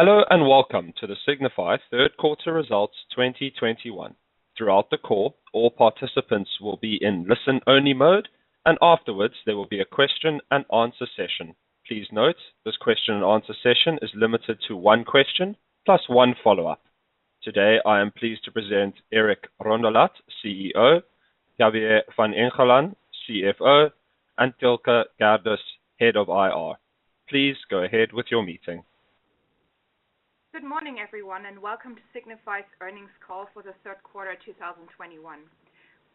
Hello, and welcome to the Signify Third Quarter Results 2021. Throughout the call, all participants will be in listen-only mode, and afterwards there will be a question and answer session. Please note, this question and answer session is limited to one question plus one follow-up. Today, I am pleased to present Eric Rondolat, CEO, Javier van Engelen, CFO, and Thelke Gerdes, Head of IR. Please go ahead with your meeting. Good morning, everyone, and welcome to Signify's earnings call for the third quarter 2021.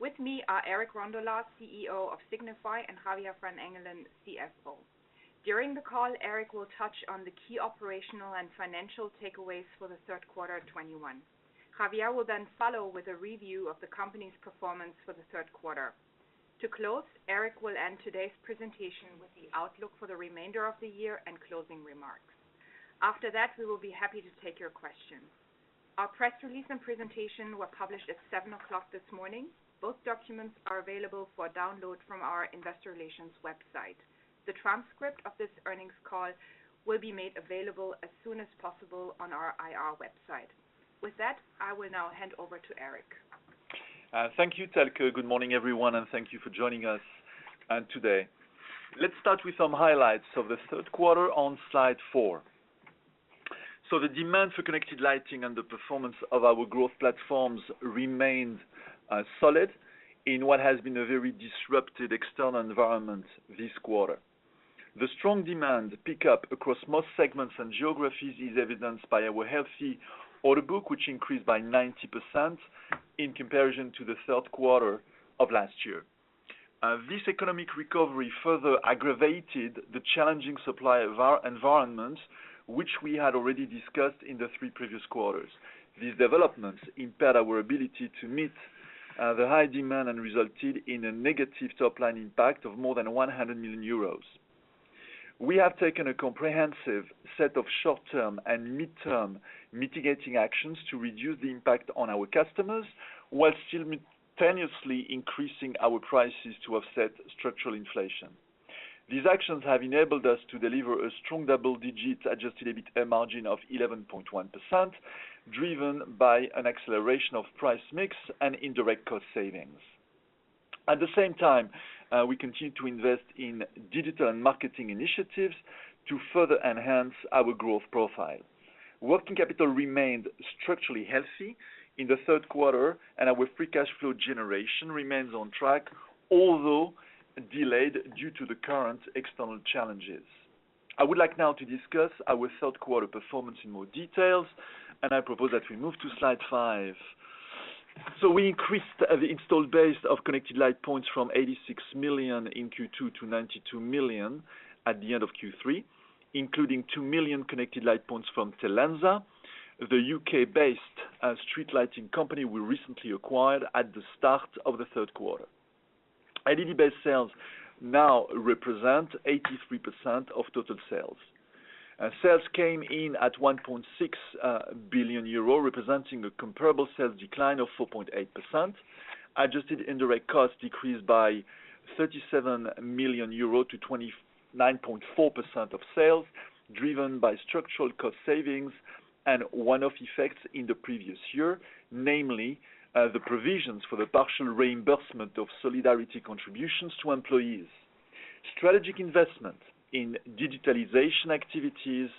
With me are Eric Rondolat, CEO of Signify, and Javier van Engelen, CFO. During the call, Eric will touch on the key operational and financial takeaways for the third quarter of 2021. Javier will then follow with a review of the company's performance for the third quarter. To close, Eric will end today's presentation with the outlook for the remainder of the year and closing remarks. After that, we will be happy to take your questions. Our press release and presentation were published at 7:00 A.M. this morning. Both documents are available for download from our investor relations website. The transcript of this earnings call will be made available as soon as possible on our IR website. With that, I will now hand over to Eric. Thank you, Thelke. Good morning, everyone, and thank you for joining us today. Let's start with some highlights of the third quarter on slide four. The demand for connected lighting and the performance of our growth platforms remained solid in what has been a very disrupted external environment this quarter. The strong demand pick up across most segments and geographies is evidenced by our healthy order book, which increased by 90% in comparison to the third quarter of last year. This economic recovery further aggravated the challenging supply environment which we had already discussed in the three previous quarters. These developments impaired our ability to meet the high demand and resulted in a negative top-line impact of more than 100 million euros. We have taken a comprehensive set of short-term and mid-term mitigating actions to reduce the impact on our customers, while simultaneously increasing our prices to offset structural inflation. These actions have enabled us to deliver a strong double-digit adjusted EBITA margin of 11.1%, driven by an acceleration of price mix and indirect cost savings. At the same time, we continue to invest in digital and marketing initiatives to further enhance our growth profile. Working capital remained structurally healthy in the third quarter, and our free cash flow generation remains on track, although delayed due to the current external challenges. I would like now to discuss our third quarter performance in more details, and I propose that we move to slide five. We increased the installed base of connected light points from 86 million in Q2 to 92 million at the end of Q3, including 2 million connected light points from Telensa, the U.K.-based street lighting company we recently acquired at the start of the third quarter. LED-based sales now represent 83% of total sales. Sales came in at 1.6 billion euro, representing a comparable sales decline of 4.8%. Adjusted indirect costs decreased by 37 million euro to 29.4% of sales, driven by structural cost savings and one-off effects in the previous year, namely the provisions for the partial reimbursement of solidarity contributions to employees. Strategic investment in digitalization activities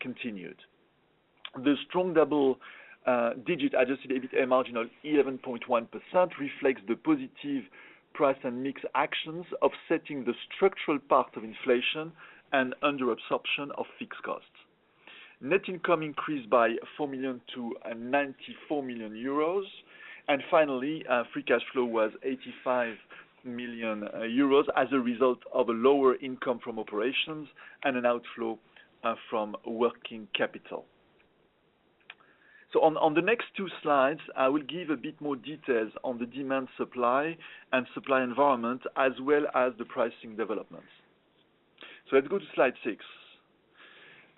continued. The strong double-digit adjusted EBITA margin of 11.1% reflects the positive price and mix actions, offsetting the structural part of inflation and under absorption of fixed costs. Net income increased by 4 million to 94 million euros. Finally, free cash flow was 85 million euros as a result of a lower income from operations and an outflow from working capital. On the next two slides, I will give a bit more details on the demand, supply, and supply environment, as well as the pricing developments. Let's go to slide six.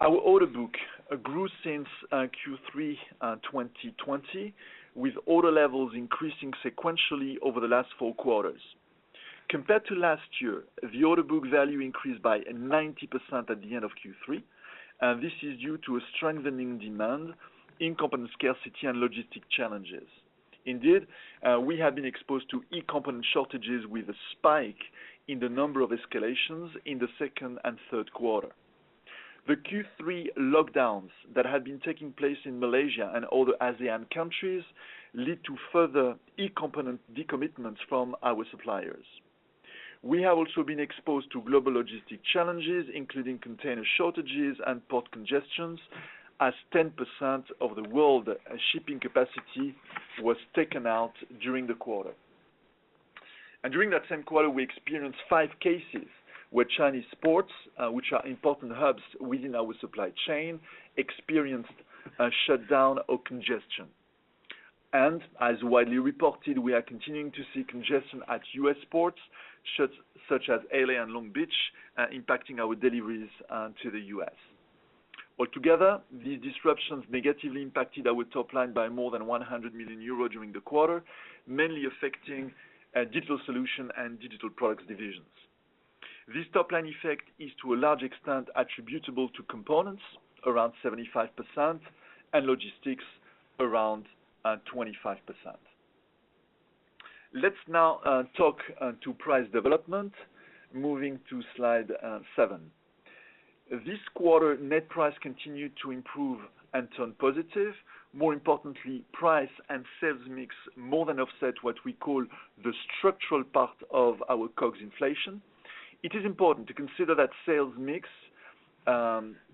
Our order book grew since Q3 2020, with order levels increasing sequentially over the last four quarters. Compared to last year, the order book value increased by 90% at the end of Q3. This is due to a strengthening demand in component scarcity and logistic challenges. Indeed, we have been exposed to e-component shortages with a spike in the number of escalations in the second and third quarter. The Q3 lockdowns that had been taking place in Malaysia and other ASEAN countries lead to further e-component decommitments from our suppliers. We have also been exposed to global logistic challenges, including container shortages and port congestions, as 10% of the world shipping capacity was taken out during the quarter. During that same quarter, we experienced 5 cases where Chinese ports, which are important hubs within our supply chain, experienced a shutdown or congestion. As widely reported, we are continuing to see congestion at U.S. ports, such as L.A. and Long Beach, impacting our deliveries to the U.S. Altogether, these disruptions negatively impacted our top line by more than 100 million euros during the quarter, mainly affecting Digital Solutions and Digital Products divisions. This top line effect is to a large extent attributable to components around 75% and logistics around 25%. Let's now talk to price development. Moving to slide seven. This quarter, net price continued to improve and turn positive. More importantly, price and sales mix more than offset what we call the structural part of our COGS inflation. It is important to consider that sales mix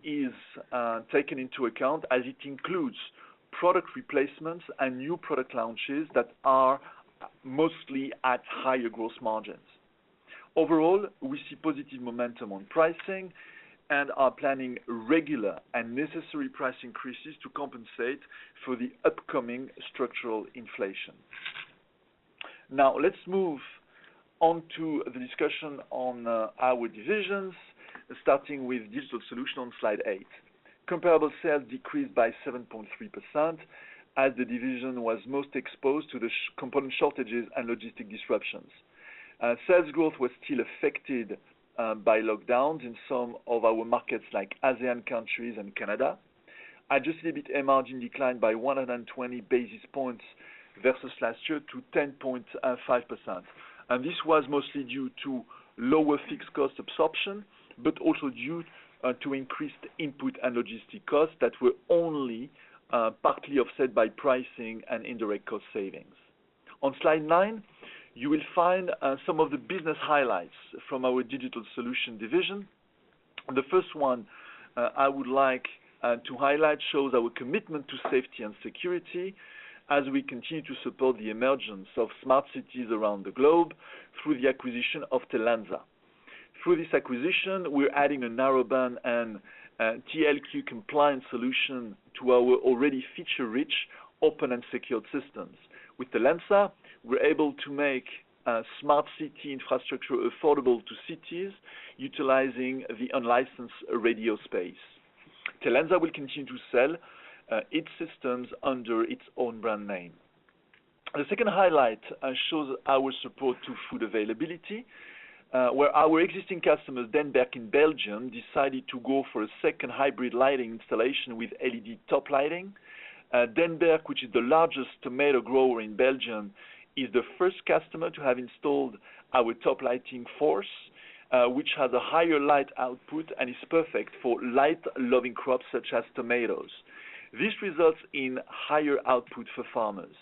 is taken into account as it includes product replacements and new product launches that are mostly at higher gross margins. Overall, we see positive momentum on pricing and are planning regular and necessary price increases to compensate for the upcoming structural inflation. Now, let's move on to the discussion on our divisions, starting with Digital Solutions on slide eight. Comparable sales decreased by 7.3% as the division was most exposed to the component shortages and logistics disruptions. Sales growth was still affected by lockdowns in some of our markets like ASEAN countries and Canada. Adjusted EBIT margin declined by 100 basis points versus last year to 10.5%. This was mostly due to lower fixed cost absorption, but also due to increased input and logistics costs that were only partly offset by pricing and indirect cost savings. On slide nine, you will find some of the business highlights from our Digital Solutions division. The first one I would like to highlight shows our commitment to safety and security as we continue to support the emergence of smart cities around the globe through the acquisition of Telensa. Through this acquisition, we're adding a narrowband and TALQ compliance solution to our already feature-rich open and secured systems. With Telensa, we're able to make smart city infrastructure affordable to cities utilizing the unlicensed radio space. Telensa will continue to sell its systems under its own brand name. The second highlight shows our support to food availability where our existing customer Den Berk Délice in Belgium decided to go for a second hybrid lighting installation with LED top lighting. Den Berk Délice, which is the largest tomato grower in Belgium, is the first customer to have installed our GreenPower LED toplighting force, which has a higher light output and is perfect for light-loving crops such as tomatoes. This results in higher output for farmers.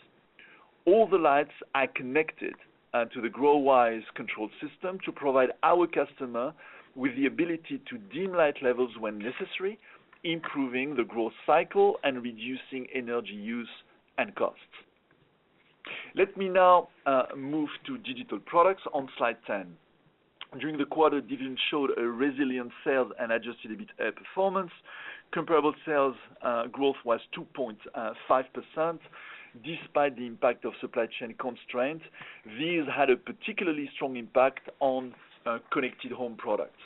All the lights are connected to the GrowWise Control System to provide our customer with the ability to dim light levels when necessary, improving the growth cycle and reducing energy use and costs. Let me now move to Digital Products on slide 10. During the quarter, division showed a resilient sales and adjusted EBITA performance. Comparable sales growth was 2.5% despite the impact of supply chain constraints. These had a particularly strong impact on connected home products.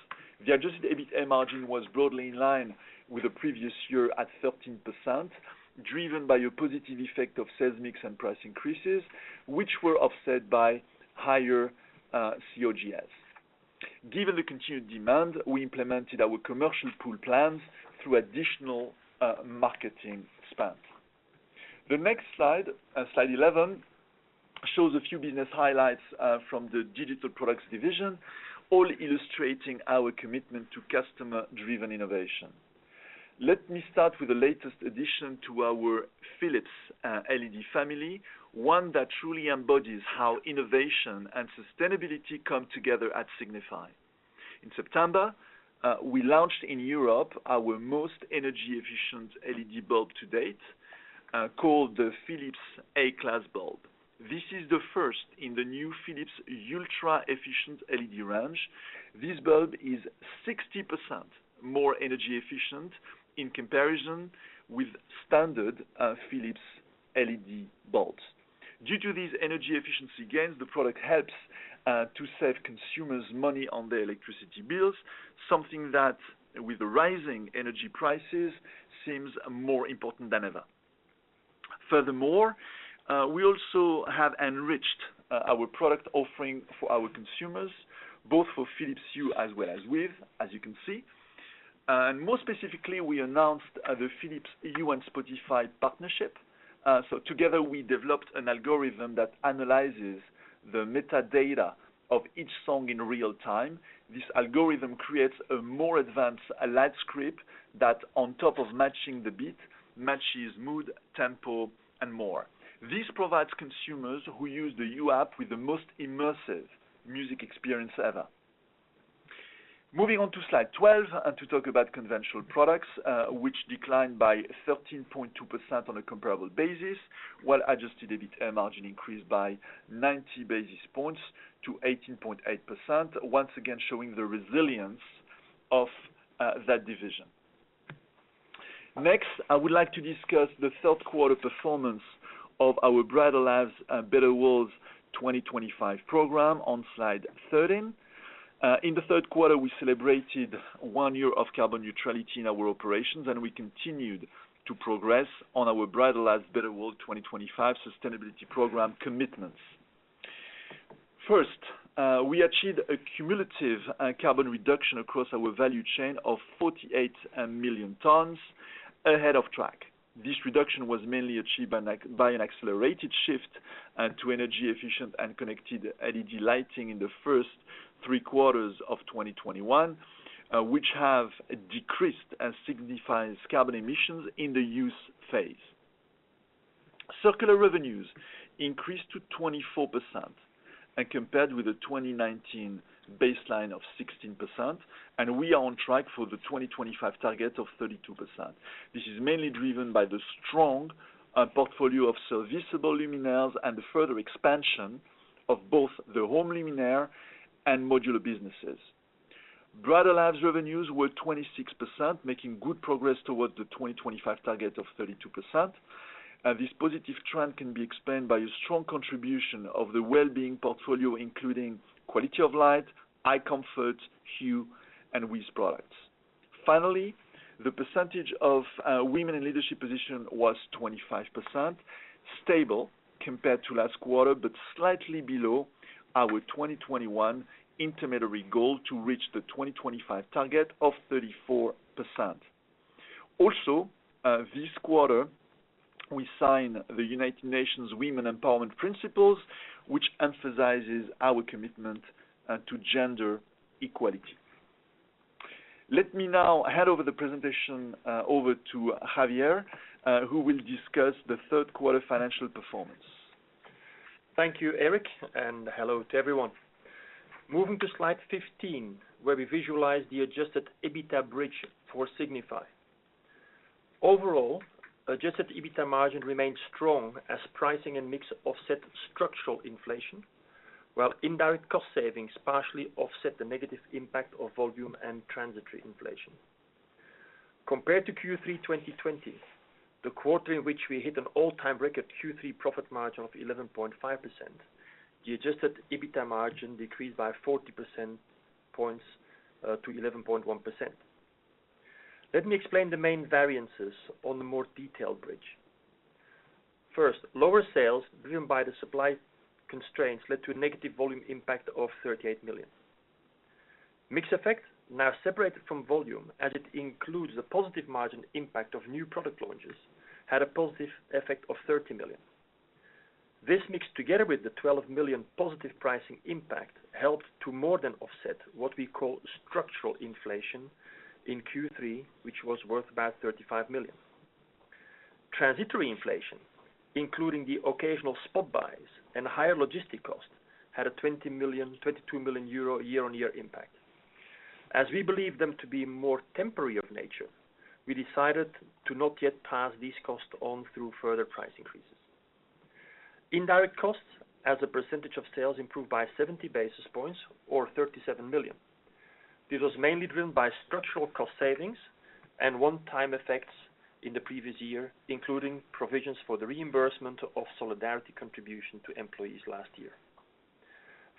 The adjusted EBITA margin was broadly in line with the previous year at 13%, driven by a positive effect of sales mix and price increases, which were offset by higher COGS. Given the continued demand, we implemented our commercial pool plans through additional marketing spend. The next slide 11 shows a few business highlights from the Digital Products division, all illustrating our commitment to customer-driven innovation. Let me start with the latest addition to our Philips LED family, one that truly embodies how innovation and sustainability come together at Signify. In September, we launched in Europe our most energy efficient LED bulb to date, called the Philips LED A-class bulb. This is the first in the new Philips ultra-efficient LED range. This bulb is 60% more energy efficient in comparison with standard Philips LED bulbs. Due to these energy efficiency gains, the product helps to save consumers money on their electricity bills, something that with the rising energy prices seems more important than ever. Furthermore, we also have enriched our product offering for our consumers, both for Philips Hue as well as WiZ, as you can see. More specifically, we announced the Philips Hue and Spotify partnership. Together we developed an algorithm that analyzes the metadata of each song in real time. This algorithm creates a more advanced light script that on top of matching the beat, matches mood, tempo, and more. This provides consumers who use the Hue app with the most immersive music experience ever. Moving on to slide 12 and to talk about Conventional Products, which declined by 13.2% on a comparable basis, while adjusted EBITA margin increased by 90 basis points to 18.8%, once again showing the resilience of that division. Next, I would like to discuss the third quarter performance of our Brighter Lives, Better World 2025 program on slide 13. In the third quarter, we celebrated one year of carbon neutrality in our operations, and we continued to progress on our Brighter Lives, Better World 2025 sustainability program commitments. First, we achieved a cumulative carbon reduction across our value chain of 48 million tons of CO2 and we are on track. This reduction was mainly achieved by an accelerated shift to energy efficient and connected LED lighting in the first three quarters of 2021, which have decreased Signify's carbon emissions in the use phase. Circular revenues increased to 24% compared with the 2019 baseline of 16%, and we are on track for the 2025 target of 32%. This is mainly driven by the strong portfolio of serviceable luminaires and the further expansion of both the home luminaire and modular businesses. Brighter Lives revenues were 26%, making good progress towards the 2025 target of 32%. This positive trend can be explained by a strong contribution of the well-being portfolio, including quality of light, eye comfort, Hue, and WiZ products. Finally, the percentage of women in leadership position was 25%, stable compared to last quarter, but slightly below our 2021 interim goal to reach the 2025 target of 34%. Also, this quarter, we signed the United Nations Women's Empowerment Principles, which emphasizes our commitment to gender equality. Let me now hand over the presentation to Javier, who will discuss the third quarter financial performance. Thank you, Eric, and hello to everyone. Moving to slide 15, where we visualize the adjusted EBITA bridge for Signify. Overall, adjusted EBITA margin remains strong as pricing and mix offset structural inflation, while indirect cost savings partially offset the negative impact of volume and transitory inflation. Compared to Q3 2020, the quarter in which we hit an all-time record Q3 profit margin of 11.5%, the adjusted EBITA margin decreased by 40 percentage points to 11.1%. Let me explain the main variances on the more detailed bridge. First, lower sales driven by the supply constraints led to a negative volume impact of 38 million. Mix effect, now separated from volume as it includes a positive margin impact of new product launches, had a positive effect of 30 million. This mix, together with the 12 million positive pricing impact, helped to more than offset what we call structural inflation in Q3, which was worth about 35 million. Transitory inflation, including the occasional spot buys and higher logistic costs, had a 22 million euro year-on-year impact. As we believe them to be more temporary of nature, we decided to not yet pass this cost on through further price increases. Indirect costs as a percentage of sales improved by 70 basis points or 37 million. This was mainly driven by structural cost savings and one-time effects in the previous year, including provisions for the reimbursement of solidarity contribution to employees last year.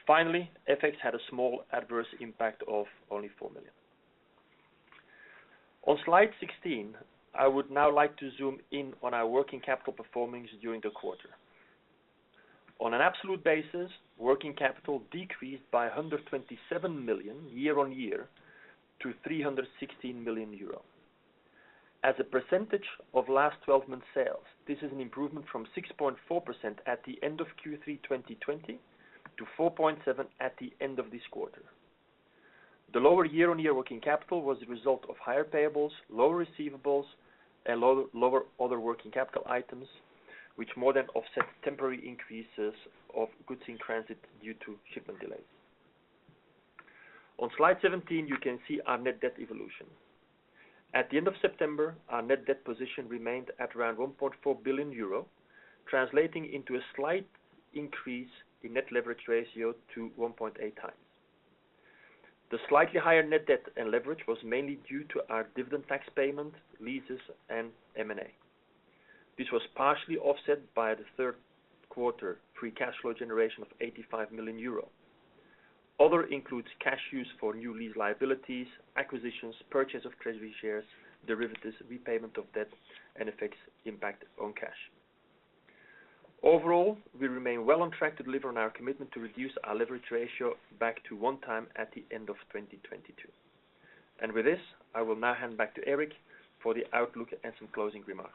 Finally, FX had a small adverse impact of only 4 million. On slide 16, I would now like to zoom in on our working capital performance during the quarter. On an absolute basis, working capital decreased by 127 million year-on-year to 316 million euro. As a percentage of last twelve month sales, this is an improvement from 6.4% at the end of Q3 2020 to 4.7% at the end of this quarter. The lower year-on-year working capital was a result of higher payables, lower receivables, and lower other working capital items, which more than offset temporary increases of goods in transit due to shipment delays. On slide 17, you can see our net debt evolution. At the end of September, our net debt position remained at around 1.4 billion euro, translating into a slight increase in net leverage ratio to 1.8 times. The slightly higher net debt and leverage was mainly due to our dividend tax payment, leases and M&A. This was partially offset by the third quarter free cash flow generation of 85 million euro. Other includes cash use for new lease liabilities, acquisitions, purchase of treasury shares, derivatives, repayment of debt, and FX impact on cash. Overall, we remain well on track to deliver on our commitment to reduce our leverage ratio back to one time at the end of 2022. With this, I will now hand back to Eric for the outlook and some closing remarks.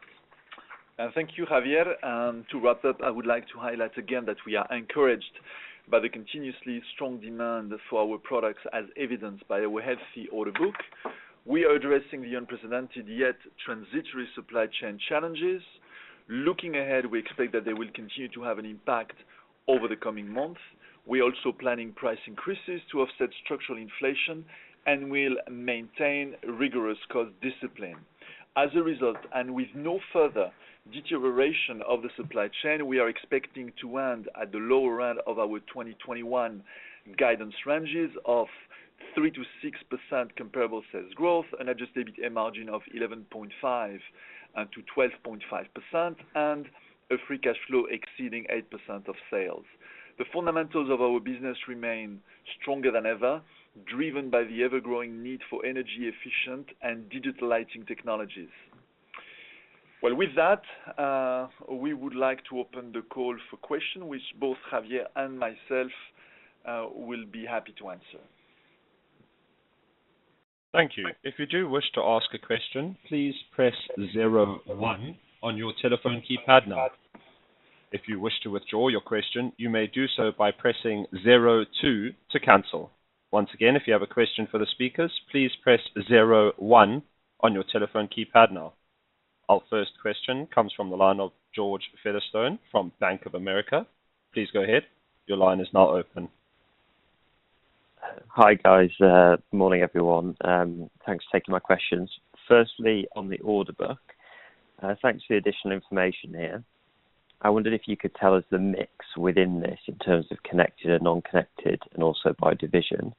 Thank you, Javier. To wrap up, I would like to highlight again that we are encouraged by the continuously strong demand for our products as evidenced by our healthy order book. We are addressing the unprecedented, yet transitory supply chain challenges. Looking ahead, we expect that they will continue to have an impact over the coming months. We're also planning price increases to offset structural inflation and will maintain rigorous cost discipline. As a result, and with no further deterioration of the supply chain, we are expecting to end at the lower end of our 2021 guidance ranges of 3-6% comparable sales growth and adjusted EBITA margin of 11.5%-12.5% and a free cash flow exceeding 8% of sales. The fundamentals of our business remain stronger than ever, driven by the ever-growing need for energy-efficient and digital lighting technologies. Well, with that, we would like to open the call for questions, which both Javier and myself will be happy to answer. Thank you. If you do wish to ask a question, please press zero, one on your telephone keypad now. If you wish to withdraw your question, you may do so by pressing zero, two to cancel. Once again, if you have a question for the speakers, please press zero, one on your telephone keypad now. Our first question comes from the line of George Featherstone from Bank of America. Please go ahead. Your line is now open. Hi, guys. Good morning, everyone. Thanks for taking my questions. Firstly, on the order book, thanks for the additional information here. I wondered if you could tell us the mix within this in terms of connected and non-connected and also by division.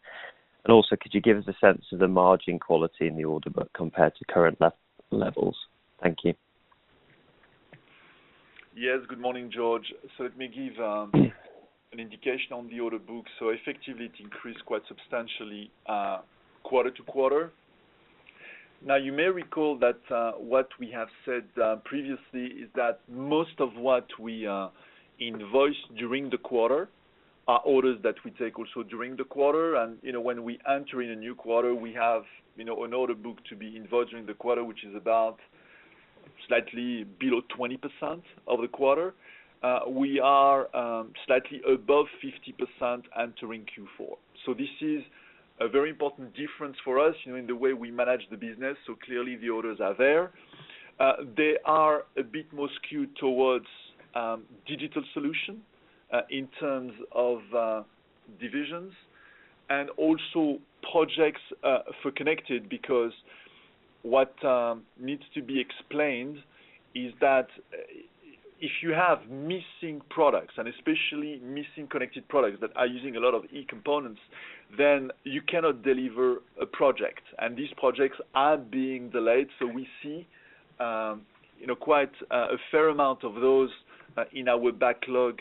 Could you give us a sense of the margin quality in the order book compared to current levels? Thank you. Yes, good morning, George. Let me give an indication on the order book. Effectively, it increased quite substantially quarter-over-quarter. Now, you may recall that what we have said previously is that most of what we invoice during the quarter are orders that we take also during the quarter. You know, when we enter in a new quarter, we have, you know, an order book to be invoiced during the quarter, which is about slightly below 20% of the quarter. We are slightly above 50% entering Q4. This is a very important difference for us, you know, in the way we manage the business. Clearly the orders are there. They are a bit more skewed towards Digital Solutions in terms of divisions and also projects for connected, because what needs to be explained is that if you have missing products, and especially missing connected products that are using a lot of e-components, then you cannot deliver a project. These projects are being delayed. We see you know quite a fair amount of those in our backlog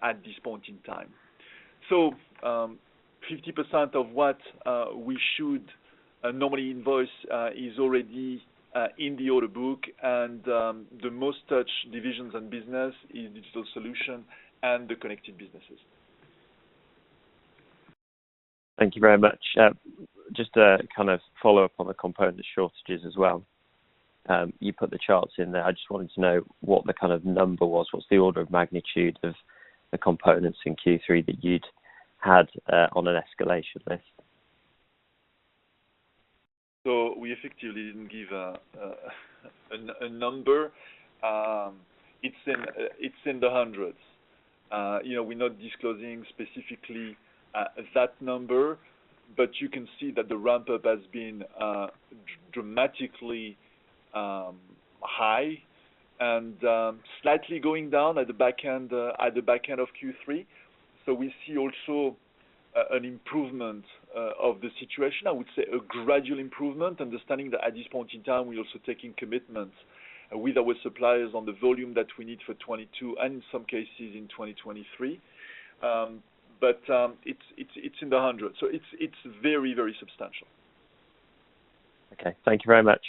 at this point in time. 50% of what we should normally invoice is already in the order book. The most touched divisions and business in Digital Solutions and the connected businesses. Thank you very much. Just to kind of follow up on the component shortages as well. You put the charts in there. I just wanted to know what the kind of number was, what's the order of magnitude of the components in Q3 that you'd had on an escalation list. We effectively didn't give a number. It's in the hundreds. You know, we're not disclosing specifically that number, but you can see that the ramp-up has been dramatically high and slightly going down at the back end of Q3. We see also an improvement of the situation. I would say a gradual improvement, understanding that at this point in time, we're also taking commitments with our suppliers on the volume that we need for 2022 and in some cases in 2023. It's in the hundreds, so it's very substantial. Okay. Thank you very much.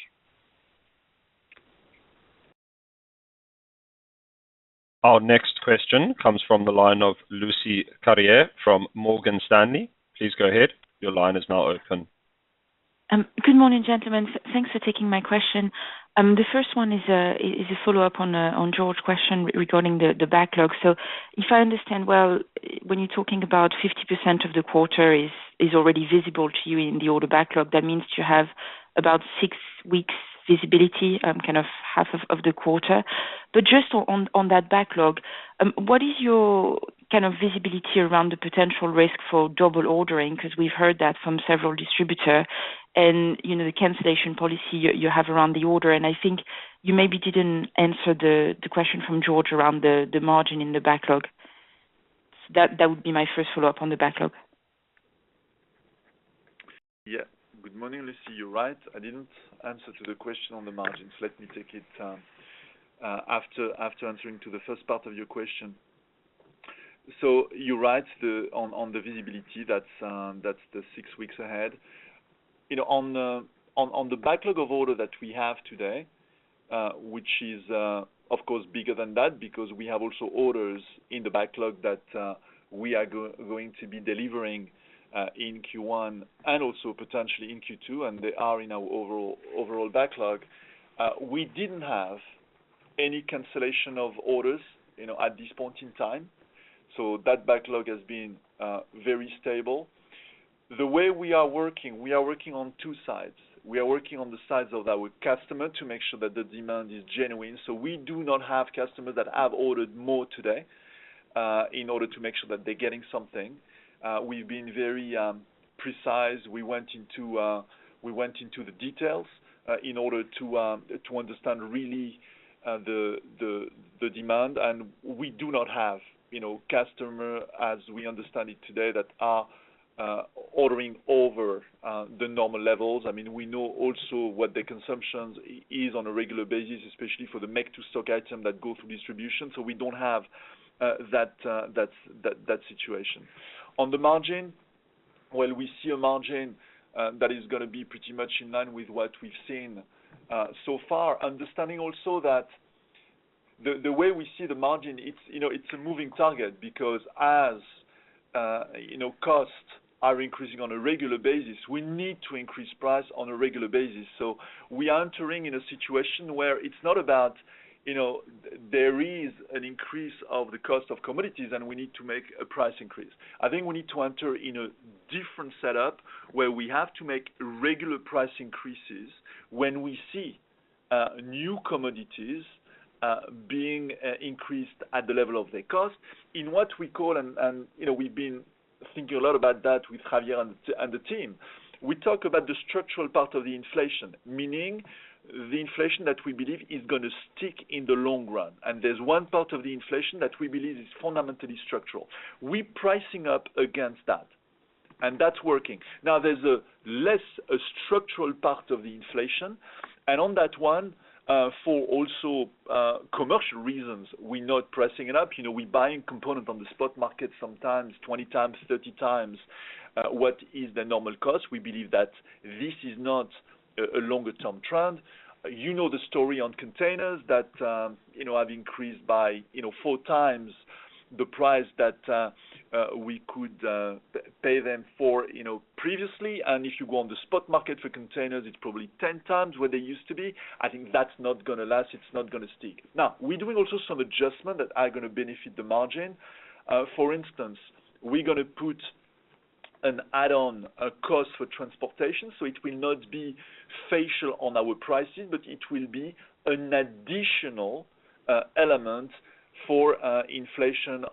Our next question comes from the line of Lucie Carrier from Morgan Stanley. Please go ahead. Your line is now open. Good morning, gentlemen. Thanks for taking my question. The first one is a follow-up on George's question regarding the backlog. If I understand well, when you're talking about 50% of the quarter is already visible to you in the order backlog, that means you have about six weeks visibility, kind of half of the quarter. But just on that backlog, what is your kind of visibility around the potential risk for double ordering? Because we've heard that from several distributor and, you know, the cancellation policy you have around the order, and I think you maybe didn't answer the question from George around the margin in the backlog. That would be my first follow-up on the backlog. Yeah. Good morning, Lucie. You're right, I didn't answer the question on the margins. Let me take it after answering the first part of your question. You're right, on the visibility, that's the six weeks ahead. You know, on the backlog of orders that we have today, which is, of course, bigger than that because we have also orders in the backlog that we are going to be delivering in Q1 and also potentially in Q2, and they are in our overall backlog. We didn't have any cancellation of orders, you know, at this point in time. That backlog has been very stable. The way we are working, we are working on two sides. We are working on the sides of our customer to make sure that the demand is genuine. We do not have customers that have ordered more today in order to make sure that they're getting something. We've been very precise. We went into the details in order to understand really the demand. We do not have, you know, customer as we understand it today that are ordering over the normal levels. I mean, we know also what the consumption is on a regular basis, especially for the make to stock item that go through distribution. We don't have that situation. Well, we see a margin that is gonna be pretty much in line with what we've seen so far. Understanding also that the way we see the margin, it's, you know, it's a moving target because as, you know, costs are increasing on a regular basis, we need to increase price on a regular basis. We entering in a situation where it's not about, you know, there is an increase of the cost of commodities, and we need to make a price increase. I think we need to enter in a different setup where we have to make regular price increases when we see, new commodities, being, increased at the level of their cost in what we call, you know, we've been thinking a lot about that with Javier and the team. We talk about the structural part of the inflation, meaning the inflation that we believe is gonna stick in the long run. There's one part of the inflation that we believe is fundamentally structural. We're pricing up against that, and that's working. Now there's a less structural part of the inflation, and on that one, for also commercial reasons, we're not pressing it up. You know, we're buying components on the spot market, sometimes 20 times, 30 times, what is the normal cost. We believe that this is not a longer-term trend. You know the story on containers that, you know, have increased by, you know, four times the price that we could pay them for, you know, previously. If you go on the spot market for containers, it's probably 10 times where they used to be. I think that's not gonna last. It's not gonna stick. Now, we're doing also some adjustments that are gonna benefit the margin. For instance, we're gonna put an add-on cost for transportation, so it will not be reflected on our pricing, but it will be an additional element for inflation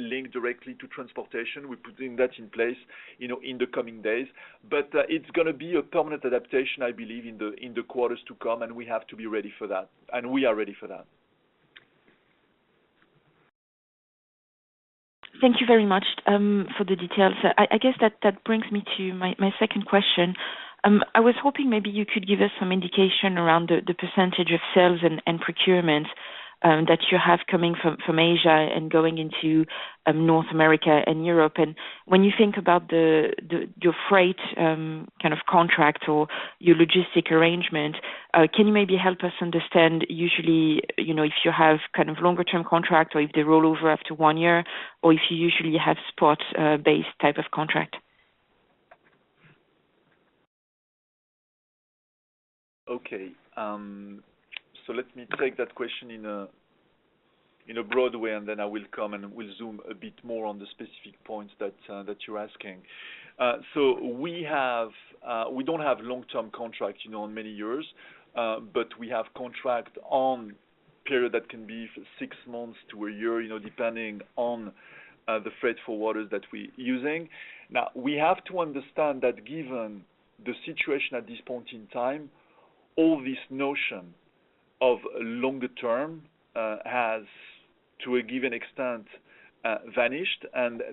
linked directly to transportation. We're putting that in place, you know, in the coming days. It's gonna be a permanent adaptation, I believe, in the quarters to come, and we have to be ready for that, and we are ready for that. Thank you very much for the details. I guess that brings me to my second question. I was hoping maybe you could give us some indication around the percentage of sales and procurement that you have coming from Asia and going into North America and Europe. When you think about your freight kind of contract or your logistics arrangement, can you maybe help us understand usually, you know, if you have kind of longer term contract or if they roll over after one year or if you usually have spot based type of contract? Okay. Let me take that question in a broad way, and then I will come back and zoom a bit more on the specific points that you're asking. We don't have long-term contracts, you know, in many years, but we have contracts over a period that can be six months to a year, you know, depending on the freight forwarders that we're using. We have to understand that given the situation at this point in time, all this notion of longer-term has to a given extent vanished.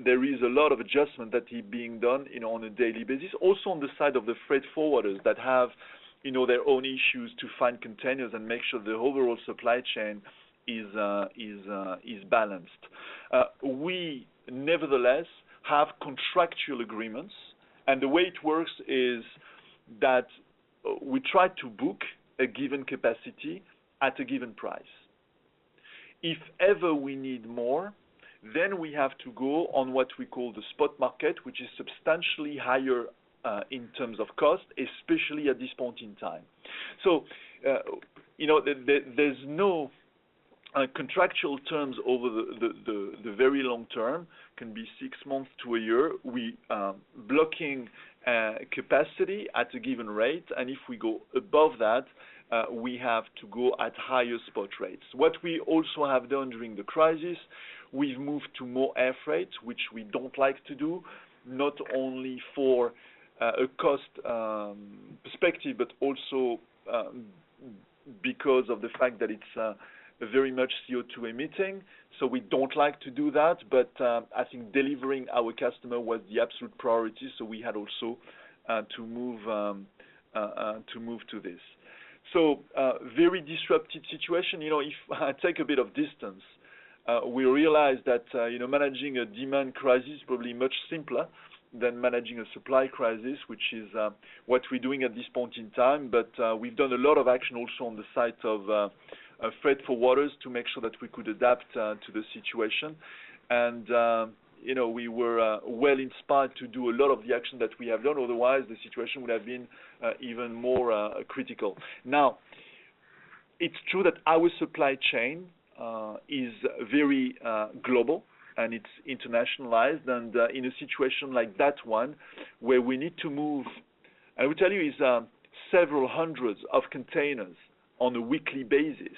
There is a lot of adjustment that is being done, you know, on a daily basis. On the side of the freight forwarders that have you know their own issues to find containers and make sure the overall supply chain is balanced. We nevertheless have contractual agreements, and the way it works is that we try to book a given capacity at a given price. If ever we need more, then we have to go on what we call the spot market, which is substantially higher in terms of cost, especially at this point in time. You know, there's no contractual terms over the very long term. Can be six months to a year. We block capacity at a given rate, and if we go above that, we have to go at higher spot rates. What we also have done during the crisis, we've moved to more air freight, which we don't like to do, not only for a cost perspective, but also because of the fact that it's very much CO2 emitting, so we don't like to do that. I think delivering our customer was the absolute priority, so we had also to move to this. Very disruptive situation. You know, if I take a bit of distance, we realize that you know, managing a demand crisis probably much simpler than managing a supply crisis, which is what we're doing at this point in time. We've done a lot of action also on the side of freight forwarders to make sure that we could adapt to the situation. You know, we were well inspired to do a lot of the action that we have done, otherwise the situation would have been even more critical. Now, it's true that our supply chain is very global, and it's internationalized. In a situation like that one where we need to move. I will tell you, it's several hundreds of containers on a weekly basis,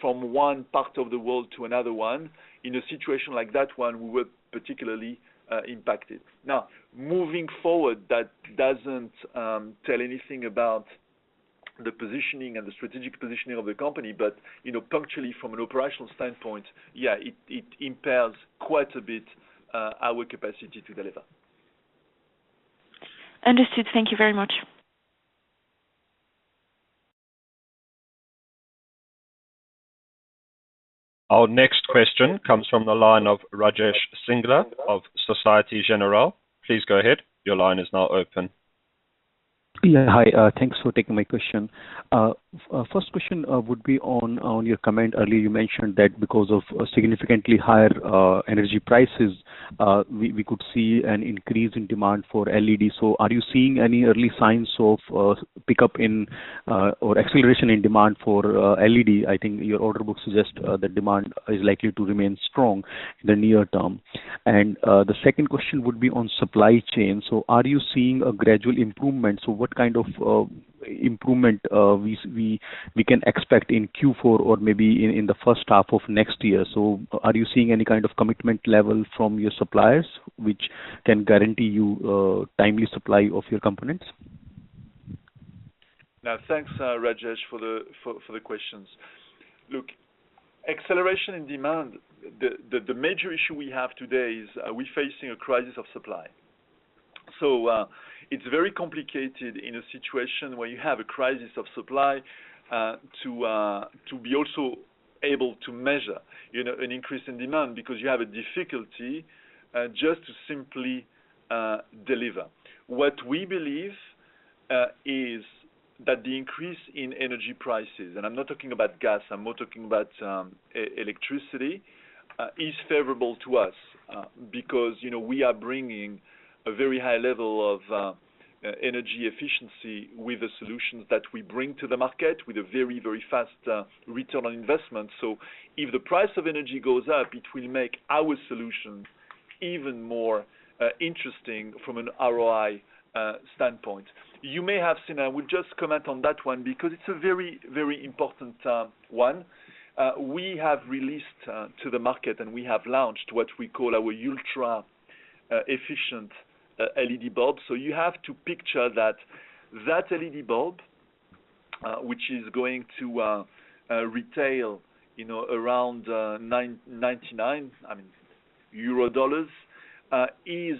from one part of the world to another one. In a situation like that one, we were particularly impacted. Now, moving forward, that doesn't tell anything about the positioning and the strategic positioning of the company, but you know, punctually from an operational standpoint, yeah, it impairs quite a bit our capacity to deliver. Understood. Thank you very much. Our next question comes from the line of Rajesh Singla of Societe Generale. Please go ahead. Your line is now open. Yeah. Hi. Thanks for taking my question. First question would be on your comment earlier. You mentioned that because of significantly higher energy prices, we could see an increase in demand for LED. Are you seeing any early signs of pickup in or acceleration in demand for LED? I think your order book suggest the demand is likely to remain strong in the near term. The second question would be on supply chain. Are you seeing a gradual improvement? What kind of improvement we can expect in Q4 or maybe in the first half of next year? Are you seeing any kind of commitment level from your suppliers which can guarantee you timely supply of your components? Now, thanks, Rajesh for the questions. Look, acceleration in demand, the major issue we have today is are we facing a crisis of supply. It's very complicated in a situation where you have a crisis of supply to be also able to measure, you know, an increase in demand because you have a difficulty just to simply deliver. What we believe is that the increase in energy prices, and I'm not talking about gas, I'm more talking about electricity, is favorable to us because, you know, we are bringing a very high level of energy efficiency with the solutions that we bring to the market with a very, very fast return on investment. If the price of energy goes up, it will make our solution even more interesting from an ROI standpoint. You may have seen. I will just comment on that one because it's a very, very important one. We have released to the market, and we have launched what we call our ultra efficient LED bulb. You have to picture that LED bulb, which is going to retail, you know, around 9.99 euro/dollars, is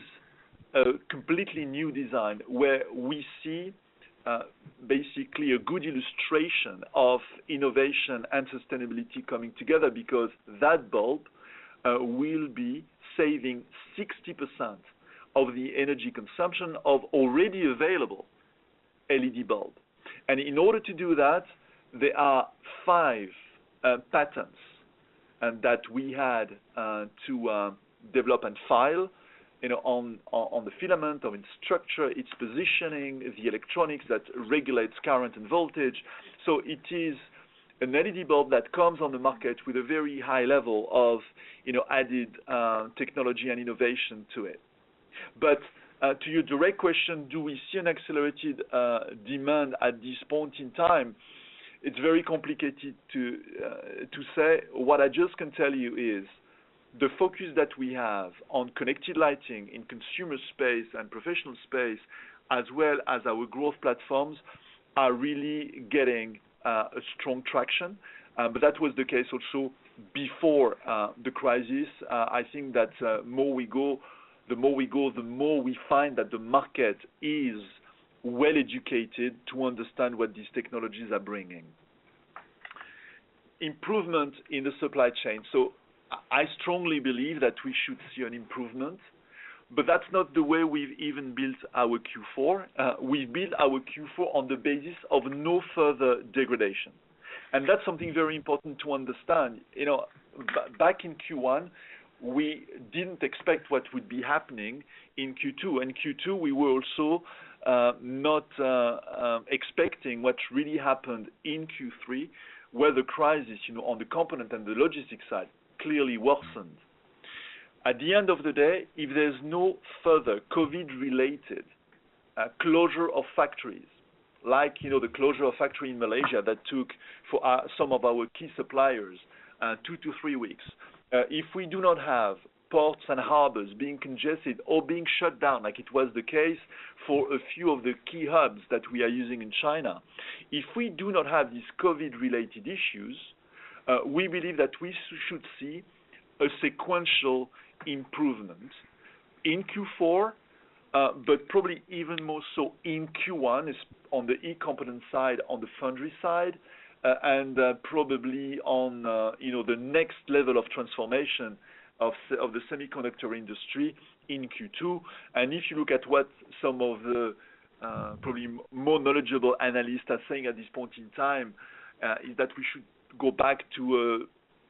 a completely new design where we see basically a good illustration of innovation and sustainability coming together because that bulb will be saving 60% of the energy consumption of already available LED bulb. In order to do that, there are five patterns and that we had to develop and file, you know, on the filament, on its structure, its positioning, the electronics that regulates current and voltage. It is an LED bulb that comes on the market with a very high level of, you know, added technology and innovation to it. To your direct question, do we see an accelerated demand at this point in time? It's very complicated to say. What I just can tell you is the focus that we have on connected lighting in consumer space and professional space, as well as our growth platforms, are really getting a strong traction. That was the case also before the crisis. I think that the more we go, the more we find that the market is well-educated to understand what these technologies are bringing. Improvement in the supply chain. I strongly believe that we should see an improvement, but that's not the way we've even built our Q4. We built our Q4 on the basis of no further degradation. That's something very important to understand. You know, back in Q1, we didn't expect what would be happening in Q2. In Q2, we were also not expecting what really happened in Q3, where the crisis, you know, on the component and the logistics side clearly worsened. At the end of the day, if there's no further COVID-related closure of factories, like, you know, the closure of factory in Malaysia that took for some of our key suppliers two to three weeks. If we do not have ports and harbors being congested or being shut down like it was the case for a few of the key hubs that we are using in China, if we do not have these COVID-related issues, we believe that we should see a sequential improvement in Q4, but probably even more so in Q1 is on the e-component side, on the foundry side, and probably on, you know, the next level of transformation of the semiconductor industry in Q2. If you look at what some of the probably more knowledgeable analysts are saying at this point in time is that we should go back to a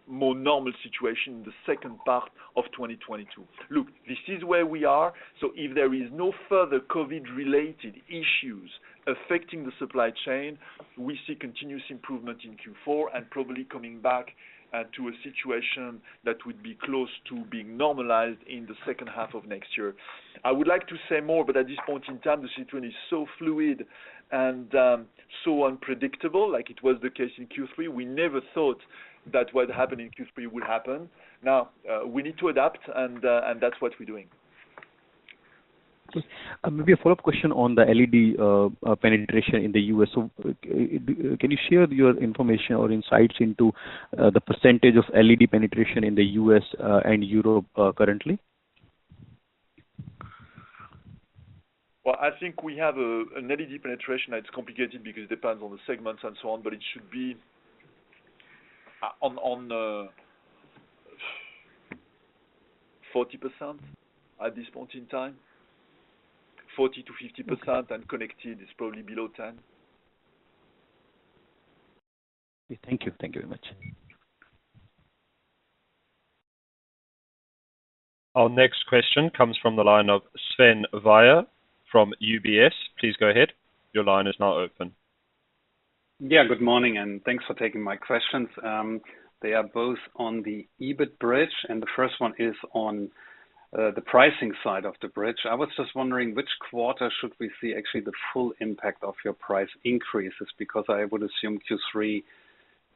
more normal situation in the second part of 2022. Look, this is where we are. If there is no further COVID-related issues affecting the supply chain, we see continuous improvement in Q4 and probably coming back to a situation that would be close to being normalized in the second half of next year. I would like to say more, but at this point in time, the situation is so fluid and so unpredictable, like it was the case in Q3. We never thought that what happened in Q3 would happen. Now, we need to adapt and that's what we're doing. Just maybe a follow-up question on the LED penetration in the U.S. Can you share your information or insights into the percentage of LED penetration in the U.S. and Europe currently? Well, I think we have an LED penetration that's complicated because it depends on the segments and so on, but it should be on 40% at this point in time. 40%-50% and connected is probably below 10%. Thank you. Thank you very much. Our next question comes from the line of Sven Weier from UBS. Please go ahead. Your line is now open. Yeah, good morning, and thanks for taking my questions. They are both on the EBITA bridge, and the first one is on the pricing side of the bridge. I was just wondering which quarter should we see actually the full impact of your price increases? Because I would assume Q3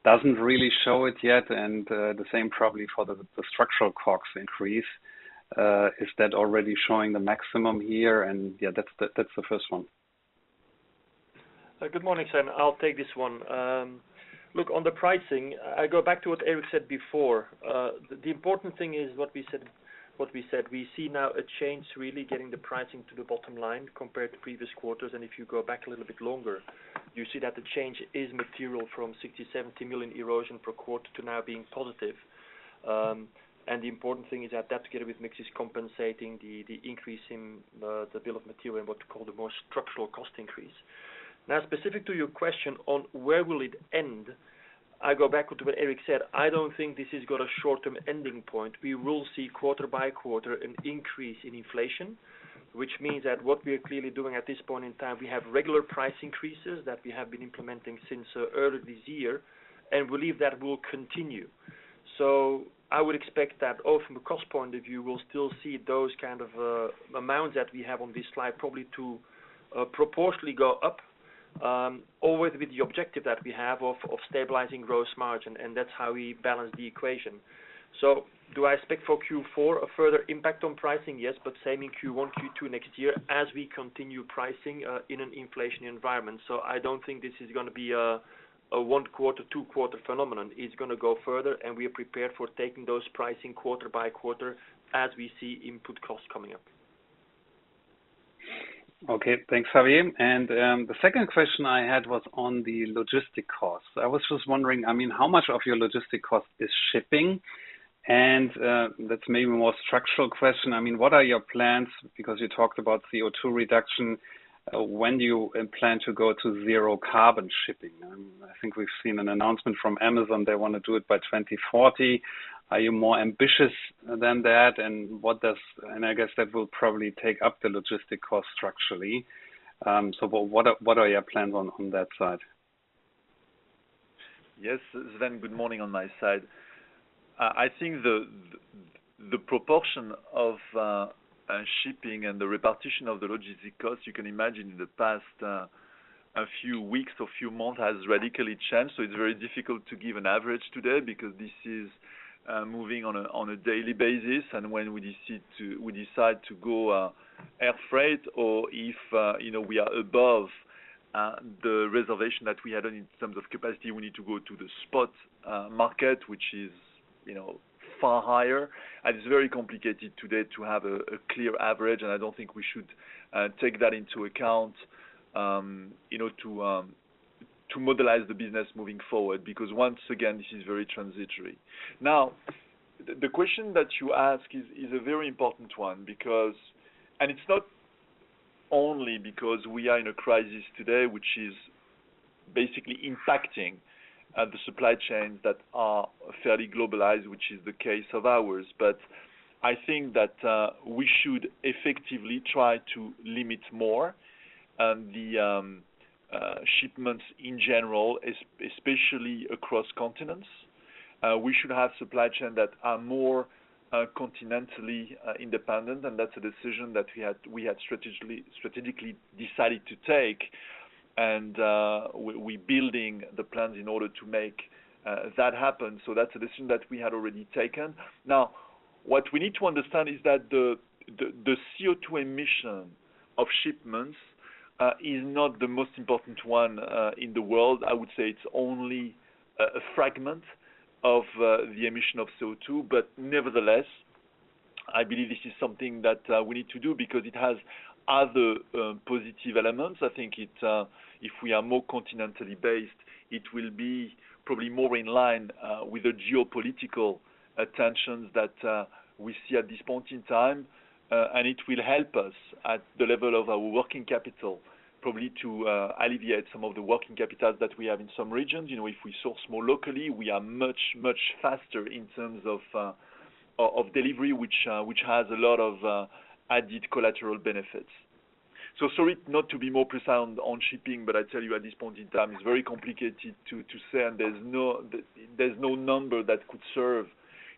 doesn't really show it yet. The same probably for the structural costs increase. Is that already showing the maximum here? Yeah, that's the first one. Good morning, Sven. I'll take this one. Look, on the pricing, I go back to what Eric said before. The important thing is what we said. We see now a change really getting the pricing to the bottom line compared to previous quarters. If you go back a little bit longer, you see that the change is material from 60 million-70 million erosion per quarter to now being positive. The important thing is that the product mix is compensating the increase in the bill of material and what you call the more structural cost increase. Now, specific to your question on where will it end, I go back to what Eric said. I don't think this has got a short-term ending point. We will see quarter by quarter an increase in inflation, which means that what we are clearly doing at this point in time, we have regular price increases that we have been implementing since early this year and believe that will continue. I would expect that all from a cost point of view, we'll still see those kind of amounts that we have on this slide, probably to proportionally go up, always with the objective that we have of stabilizing gross margin, and that's how we balance the equation. Do I expect for Q4 a further impact on pricing? Yes, but same in Q1, Q2 next year as we continue pricing in an inflationary environment. I don't think this is gonna be a one quarter, two quarter phenomenon. It's gonna go further and we are prepared for taking those pricing quarter by quarter as we see input costs coming up. Okay, thanks, Javier. The second question I had was on the logistic costs. I was just wondering, I mean, how much of your logistic cost is shipping? That's maybe a more structural question. I mean, what are your plans? Because you talked about CO2 reduction. When do you plan to go to zero carbon shipping? I think we've seen an announcement from Amazon. They want to do it by 2040. Are you more ambitious than that? I guess that will probably take up the logistic cost structurally. So what are your plans on that side? Yes, Sven, good morning on my side. I think the proportion of shipping and the repartition of the logistic cost, you can imagine in the past, a few weeks or few months has radically changed. It's very difficult to give an average today because this is moving on a daily basis. When we decide to go air freight or if, you know, we are above the reservation that we had in terms of capacity, we need to go to the spot market, which is, you know, far higher. It's very complicated today to have a clear average, and I don't think we should take that into account, you know, to modelize the business moving forward, because once again, this is very transitory. Now, the question that you ask is a very important one because it's not only because we are in a crisis today, which is basically impacting the supply chains that are fairly globalized, which is the case of ours. I think that we should effectively try to limit more the shipments in general, especially across continents. We should have supply chain that are more continentally independent, and that's a decision that we had strategically decided to take. We're building the plans in order to make that happen. That's a decision that we had already taken. Now, what we need to understand is that the CO2 emission of shipments is not the most important one in the world. I would say it's only a fragment of the emission of CO2. Nevertheless, I believe this is something that we need to do because it has other positive elements. I think if we are more continentally based, it will be probably more in line with the geopolitical tensions that we see at this point in time. It will help us at the level of our working capital, probably to alleviate some of the working capital that we have in some regions. You know, if we source more locally, we are much, much faster in terms of of delivery, which has a lot of added collateral benefits. Sorry not to be more precise on shipping, but I tell you at this point in time, it's very complicated to say, and there's no number that could serve,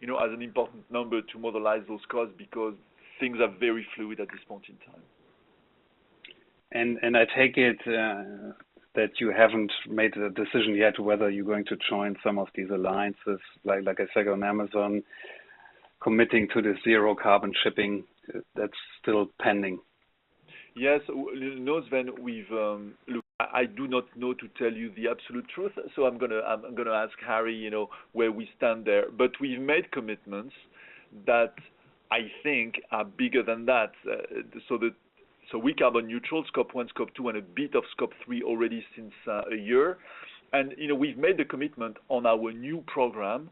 you know, as an important number to model those costs because things are very fluid at this point in time. I take it that you haven't made a decision yet whether you're going to join some of these alliances, like I said, on Amazon, committing to the zero carbon shipping that's still pending. Yes. No, Sven, we've, Look, I do not know how to tell you the absolute truth, so I'm gonna ask Javier, you know, where we stand there. We've made commitments that I think are bigger than that. We carbon neutral Scope 1, Scope 2, and a bit of Scope 3 already since a year. You know, we've made the commitment on our new program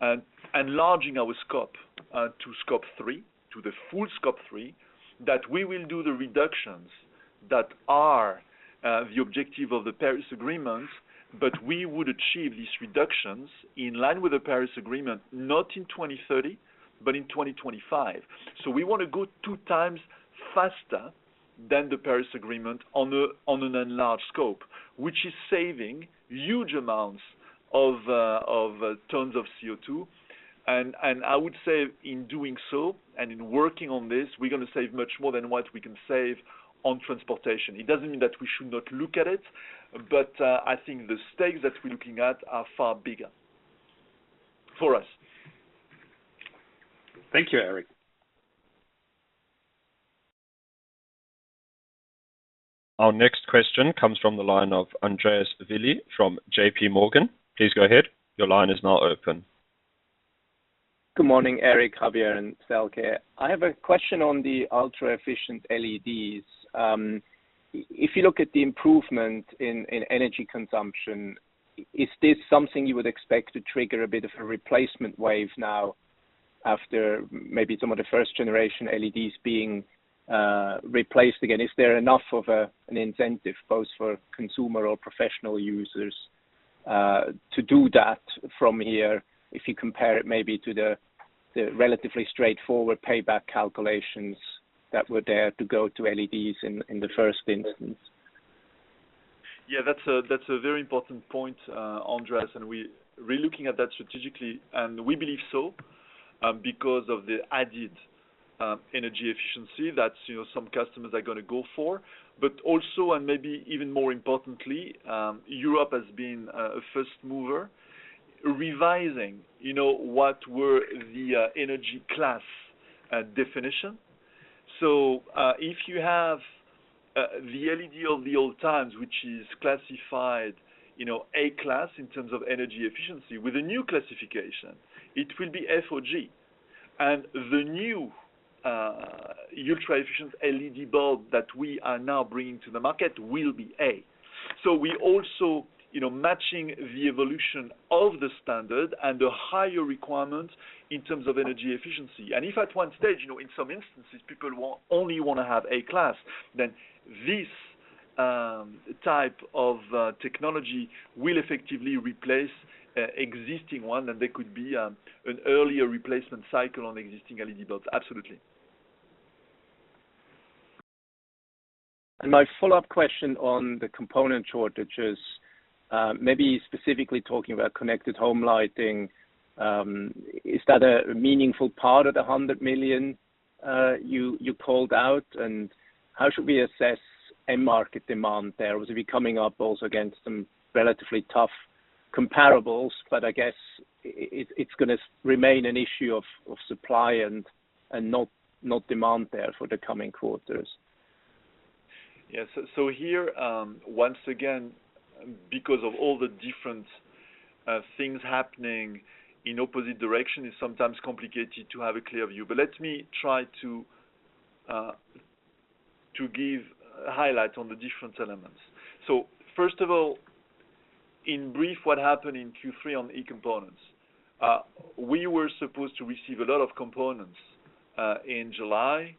and enlarging our scope to Scope 3, to the full Scope 3, that we will do the reductions that are the objective of the Paris Agreement. We would achieve these reductions in line with the Paris Agreement, not in 2030, but in 2025. We wanna go two times faster than the Paris Agreement on an enlarged scope, which is saving huge amounts of tons of CO2. I would say in doing so and in working on this, we're gonna save much more than what we can save on transportation. It doesn't mean that we should not look at it, but I think the stakes that we're looking at are far bigger for us. Thank you, Eric. Our next question comes from the line of Andreas Willi from J.P. Morgan. Please go ahead. Your line is now open. Good morning, Eric, Javier, and Thelke. I have a question on the ultra-efficient LEDs. If you look at the improvement in energy consumption, is this something you would expect to trigger a bit of a replacement wave now after maybe some of the first-generation LEDs being replaced again? Is there enough of an incentive both for consumer or professional users to do that from here, if you compare it maybe to the relatively straightforward payback calculations that were there to go to LEDs in the first instance? Yeah, that's a very important point, Andreas, and we're looking at that strategically, and we believe so, because of the added energy efficiency that, you know, some customers are gonna go for. Maybe even more importantly, Europe has been a first mover revising, you know, what were the energy class definition. If you have the LED of the old times, which is classified, you know, A class in terms of energy efficiency. With the new classification, it will be F or G. The new ultra-efficient LED bulb that we are now bringing to the market will be A. We also, you know, matching the evolution of the standard and the higher requirement in terms of energy efficiency. If at one stage, you know, in some instances, people want only wanna have A-class, then this type of technology will effectively replace existing one, and there could be an earlier replacement cycle on existing LED bulbs. Absolutely. My follow-up question on the component shortages, maybe specifically talking about connected home lighting, is that a meaningful part of the 100 million you called out? How should we assess end market demand there? Obviously, we're coming up also against some relatively tough comparables, but I guess it's gonna remain an issue of supply and not demand there for the coming quarters. Yes. Here, once again, because of all the different things happening in opposite direction, it's sometimes complicated to have a clear view. Let me try to give highlights on the different elements. First of all, in brief, what happened in Q3 on e-components. We were supposed to receive a lot of components in July,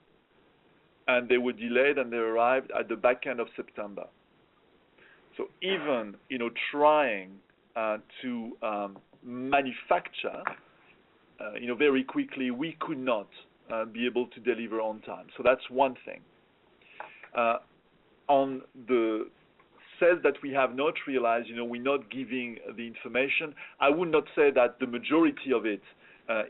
and they were delayed, and they arrived at the back end of September. Even, you know, trying to manufacture, you know, very quickly, we could not be able to deliver on time. That's one thing. On the sales that we have not realized, you know, we're not giving the information. I would not say that the majority of it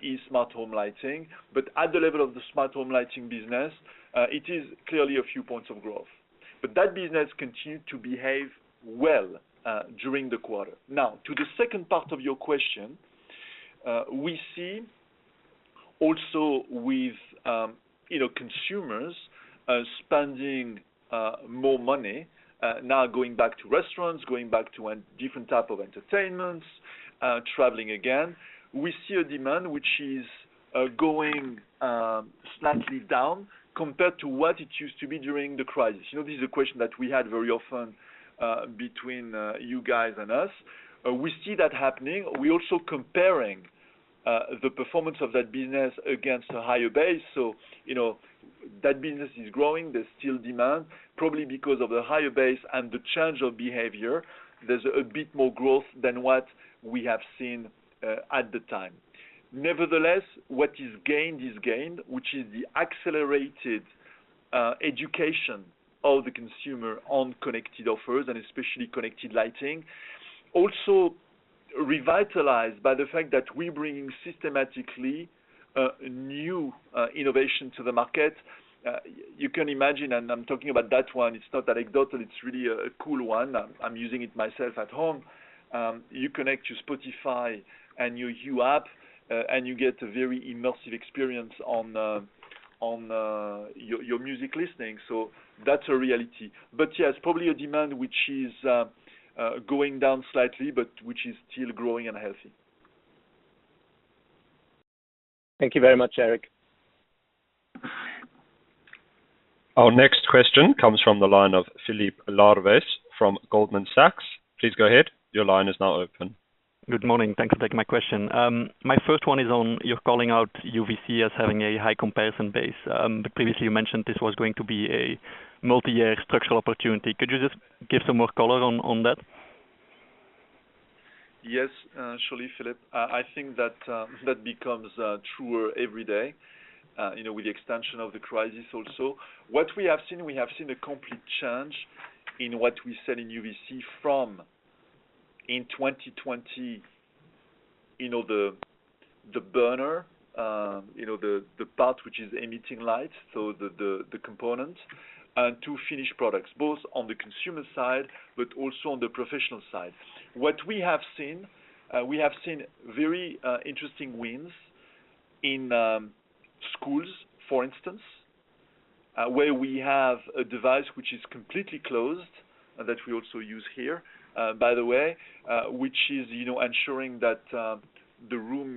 is smart home lighting, but at the level of the smart home lighting business, it is clearly a few points of growth. That business continued to behave well during the quarter. Now to the second part of your question, we see also with, you know, consumers spending more money now going back to restaurants, going back to a different type of entertainment, traveling again, we see a demand which is going slightly down compared to what it used to be during the crisis. You know, this is a question that we had very often between you guys and us. We see that happening. We're also comparing the performance of that business against a higher base. You know, that business is growing. There's still demand. Probably because of the higher base and the change of behavior, there's a bit more growth than what we have seen at the time. Nevertheless, what is gained is gained, which is the accelerated education of the consumer on connected offers and especially connected lighting. Also revitalized by the fact that we bring systematically new innovation to the market. You can imagine, and I'm talking about that one, it's not anecdotal, it's really a cool one. I'm using it myself at home. You connect your Spotify and your Hue app, and you get a very immersive experience on your music listening. So that's a reality. Yes, probably a demand which is going down slightly, but which is still growing and healthy. Thank you very much, Eric. Our next question comes from the line of Philippe Lauwerys from Goldman Sachs. Please go ahead. Your line is now open. Good morning. Thanks for taking my question. My first one is on you're calling out UVC as having a high comparison base. But previously you mentioned this was going to be a multi-year structural opportunity. Could you just give some more color on that? Yes, surely, Philippe. I think that becomes truer every day, you know, with the extension of the crisis also. What we have seen a complete change in what we sell in UVC from in 2020, you know, the burner, you know, the part which is emitting light, so the component, and to finished products, both on the consumer side, but also on the professional side. What we have seen very interesting wins in schools, for instance, where we have a device which is completely closed that we also use here, by the way, which is, you know, ensuring that the room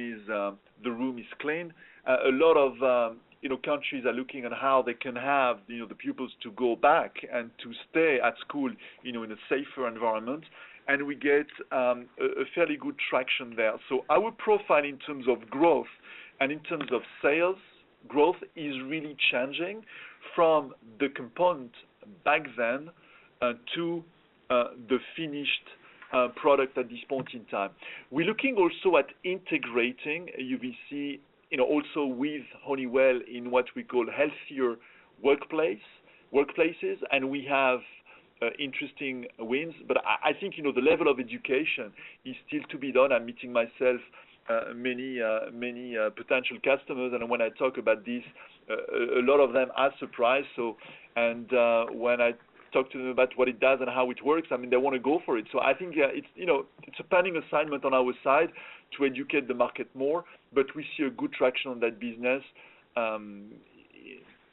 is clean. A lot of, you know, countries are looking at how they can have, you know, the pupils to go back and to stay at school, you know, in a safer environment. We get a fairly good traction there. Our profile in terms of growth and in terms of sales growth is really changing from the component back then to the finished product at this point in time. We're looking also at integrating UVC, you know, also with Honeywell in what we call healthier workplaces, and we have interesting wins. I think, you know, the level of education is still to be done. I myself am meeting many potential customers, and when I talk about this, a lot of them are surprised. When I talk to them about what it does and how it works, I mean, they wanna go for it. I think, you know, it's a pending assignment on our side to educate the market more, but we see a good traction on that business.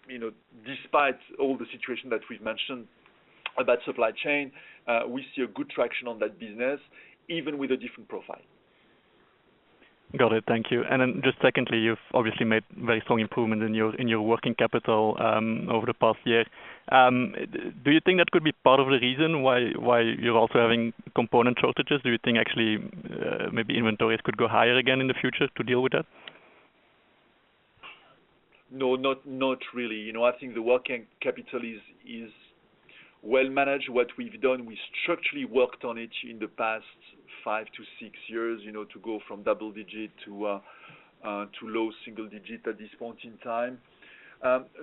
You know, despite all the situation that we've mentioned about supply chain, we see a good traction on that business, even with a different profile. Got it. Thank you. Just secondly, you've obviously made very strong improvement in your working capital over the past year. Do you think that could be part of the reason why you're also having component shortages? Do you think actually maybe inventories could go higher again in the future to deal with that? No, not really. You know, I think the working capital is well managed. What we've done, we structurally worked on it in the past five to six years, you know, to go from double-digit to low single-digit at this point in time.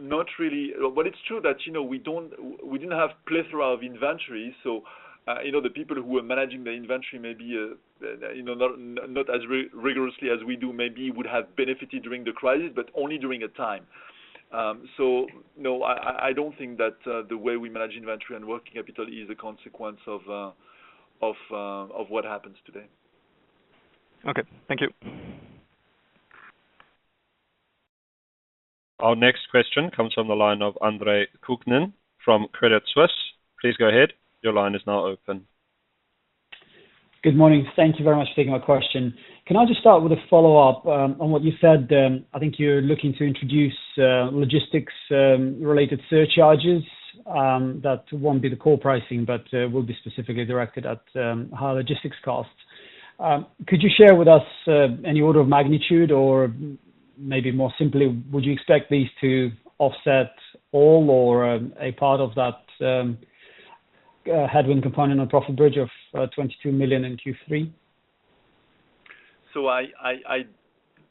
Not really. It's true that, you know, we didn't have plethora of inventory. You know, the people who are managing the inventory, maybe, you know, not as rigorously as we do, maybe would have benefited during the crisis, but only for a time. No, I don't think that the way we manage inventory and working capital is a consequence of what happens today. Okay, thank you. Our next question comes from the line of Andre Kukhnin from Credit Suisse. Please go ahead. Your line is now open. Good morning. Thank you very much for taking my question. Can I just start with a follow-up on what you said? I think you're looking to introduce logistics related surcharges that won't be the core pricing, but will be specifically directed at higher logistics costs. Could you share with us any order of magnitude or maybe more simply, would you expect these to offset all or a part of that headwind component on profit bridge of 22 million in Q3?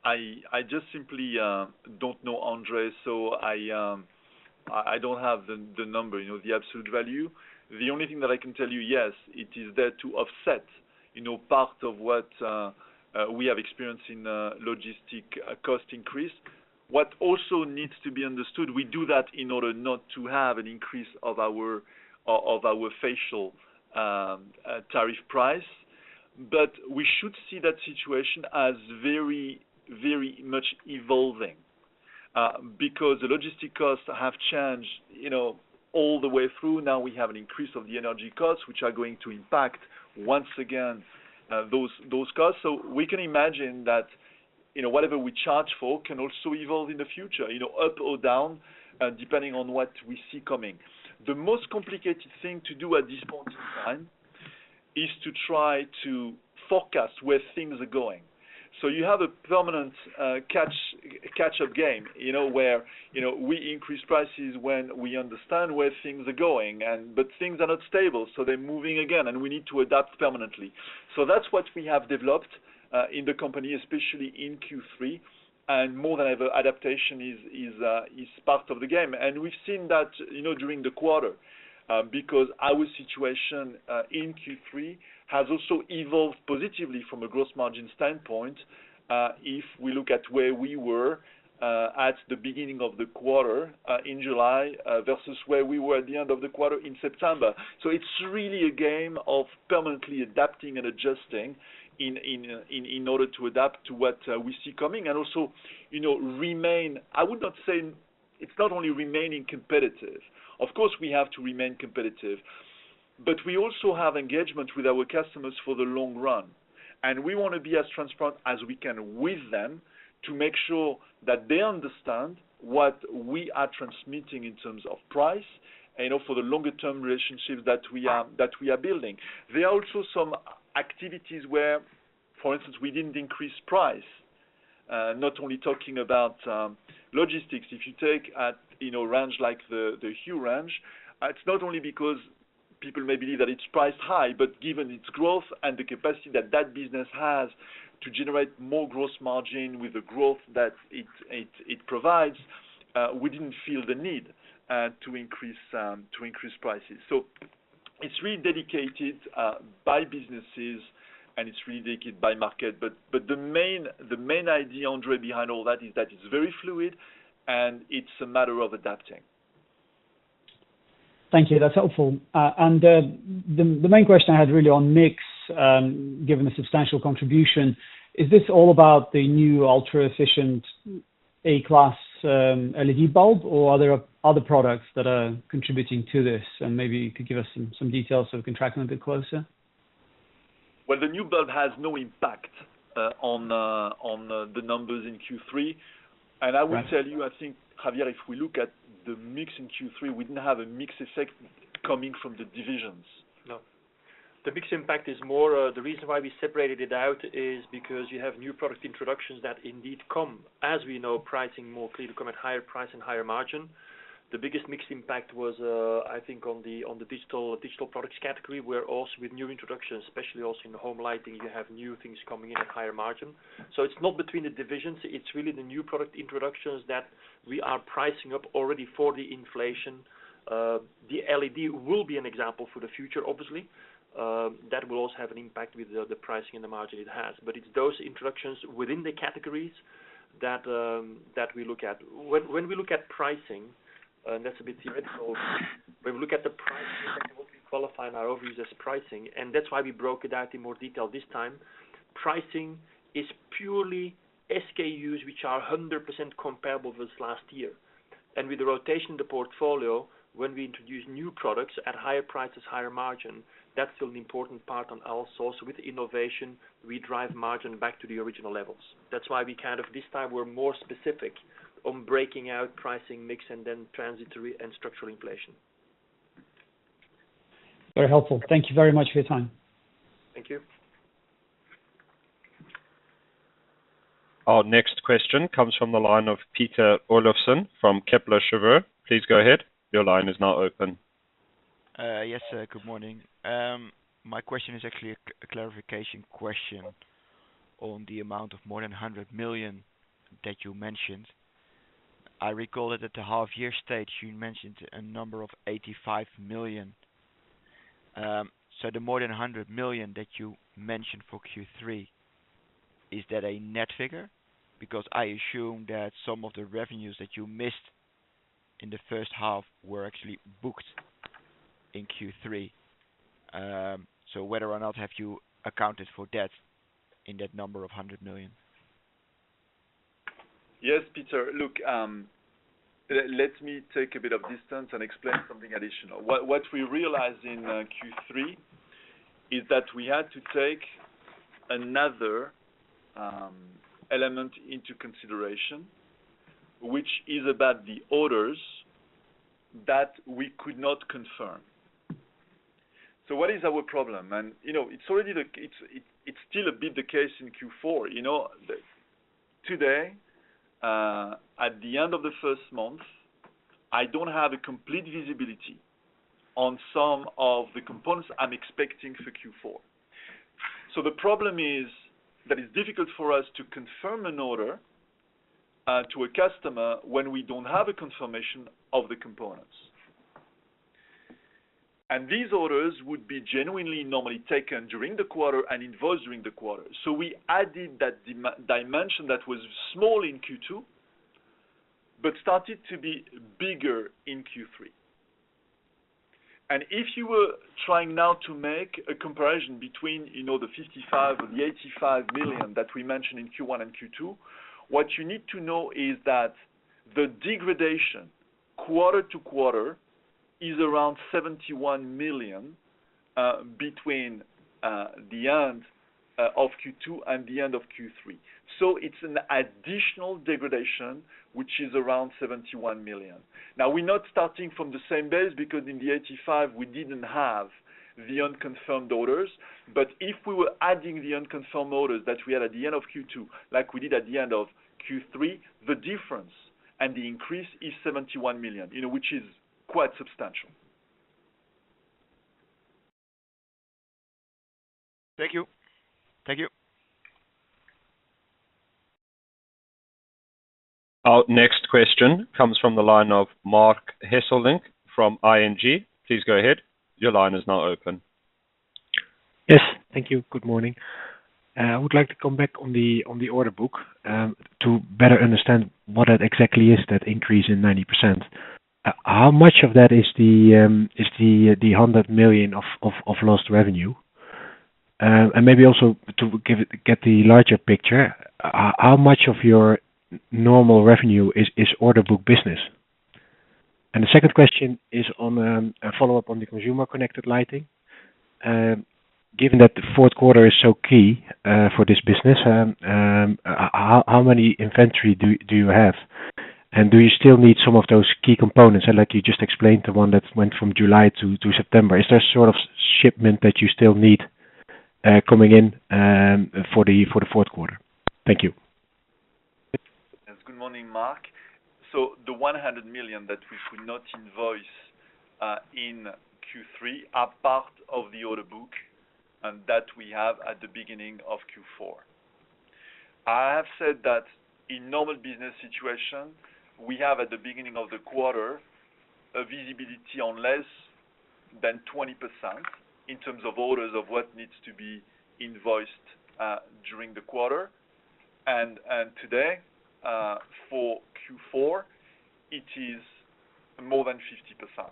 I just simply don't know Andre, so I don't have the number, you know, the absolute value. The only thing that I can tell you, yes, it is there to offset, you know, part of what we have experienced in logistics cost increase. What also needs to be understood, we do that in order not to have an increase of our final tariff price. We should see that situation as very much evolving because the logistics costs have changed, you know, all the way through. Now we have an increase of the energy costs, which are going to impact once again those costs. We can imagine that, you know, whatever we charge for can also evolve in the future, you know, up or down, depending on what we see coming. The most complicated thing to do at this point in time is to try to forecast where things are going. You have a permanent catch-up game, you know, where, you know, we increase prices when we understand where things are going and, but things are not stable, so they're moving again, and we need to adapt permanently. That's what we have developed in the company, especially in Q3. More than ever adaptation is part of the game. We've seen that, you know, during the quarter, because our situation in Q3 has also evolved positively from a gross margin standpoint, if we look at where we were at the beginning of the quarter in July versus where we were at the end of the quarter in September. It's really a game of permanently adapting and adjusting in order to adapt to what we see coming and also, you know, I would not say it's not only remaining competitive. Of course, we have to remain competitive. But we also have engagement with our customers for the long run, and we wanna be as transparent as we can with them to make sure that they understand what we are transmitting in terms of price and for the longer-term relationships that we are building. There are also some activities where, for instance, we didn't increase price, not only talking about logistics. If you take a range like the Hue range, it's not only because people may believe that it's priced high, but given its growth and the capacity that that business has to generate more gross margin with the growth that it provides, we didn't feel the need to increase prices. It's really dictated by businesses and it's really dictated by market. The main idea, Andre, behind all that is that it's very fluid and it's a matter of adapting. Thank you. That's helpful. The main question I had really on mix, given the substantial contribution, is this all about the new ultra-efficient A-class LED bulb or are there other products that are contributing to this? Maybe you could give us some details so we can track them a bit closer. Well, the new bulb has no impact on the numbers in Q3. I would tell you, I think, Javier, if we look at the mix in Q3, we didn't have a mix effect coming from the divisions. No. The mix impact is more. The reason why we separated it out is because you have new product introductions that indeed come, as we know, pricing more clearly come at higher price and higher margin. The biggest mix impact was, I think on the Digital Products category, where also with new introductions, especially also in the home lighting, you have new things coming in at higher margin. It's not between the divisions, it's really the new product introductions that we are pricing up already for the inflation. The LED will be an example for the future, obviously. That will also have an impact with the pricing and the margin it has. It's those introductions within the categories that we look at. When we look at pricing, and that's a bit theoretical, what we qualify in our overview as pricing, and that's why we broke it out in more detail this time. Pricing is purely SKUs, which are 100% comparable with last year. With the rotation of the portfolio, when we introduce new products at higher prices, higher margin, that's an important part of our story. With innovation, we drive margin back to the original levels. That's why we kind of this time we're more specific on breaking out pricing mix and then transitory and structural inflation. Very helpful. Thank you very much for your time. Thank you. Our next question comes from the line of Peter Olofsen from Kepler Cheuvreux. Please go ahead. Your line is now open. Yes, good morning. My question is actually a clarification question on the amount of more than 100 million that you mentioned. I recall that at the half year stage you mentioned a number of 85 million. The more than 100 million that you mentioned for Q3, is that a net figure? Because I assume that some of the revenues that you missed in the first half were actually booked in Q3. Whether or not have you accounted for that in that number of 100 million? Yes, Peter. Look, let me take a bit of distance and explain something additional. What we realized in Q3 is that we had to take another element into consideration, which is about the orders that we could not confirm. So what is our problem? You know, it's still a bit the case in Q4. You know, today, at the end of the first month, I don't have a complete visibility on some of the components I'm expecting for Q4. So the problem is that it's difficult for us to confirm an order to a customer when we don't have a confirmation of the components. And these orders would be genuinely normally taken during the quarter and invoiced during the quarter. So we added that dimension that was small in Q2, but started to be bigger in Q3. If you were trying now to make a comparison between, you know, the 55 million or the 85 million that we mentioned in Q1 and Q2, what you need to know is that the degradation quarter-over-quarter is around 71 million between the end of Q2 and the end of Q3. It's an additional degradation which is around 71 million. Now, we're not starting from the same base because in the 85 we didn't have the unconfirmed orders. If we were adding the unconfirmed orders that we had at the end of Q2, like we did at the end of Q3, the difference and the increase is 71 million, you know, which is quite substantial. Thank you. Thank you. Our next question comes from the line of Marc Hesselink from ING. Please go ahead. Your line is now open. Yes. Thank you. Good morning. I would like to come back on the order book to better understand what that exactly is, that increase in 90%. How much of that is the 100 million of lost revenue? And maybe also to get the larger picture, how much of your normal revenue is order book business? And the second question is on a follow-up on the consumer connected lighting. Given that the fourth quarter is so key for this business, how many inventory do you have? And do you still need some of those key components like you just explained, the one that went from July to September? Is there a sort of shipment that you still need coming in for the fourth quarter? Thank you. Yes. Good morning, Marc. The 100 million that we could not invoice in Q3 are part of the order book and that we have at the beginning of Q4. I have said that in normal business situation, we have, at the beginning of the quarter, a visibility on less than 20% in terms of orders of what needs to be invoiced during the quarter. Today, for Q4, it is more than 50%.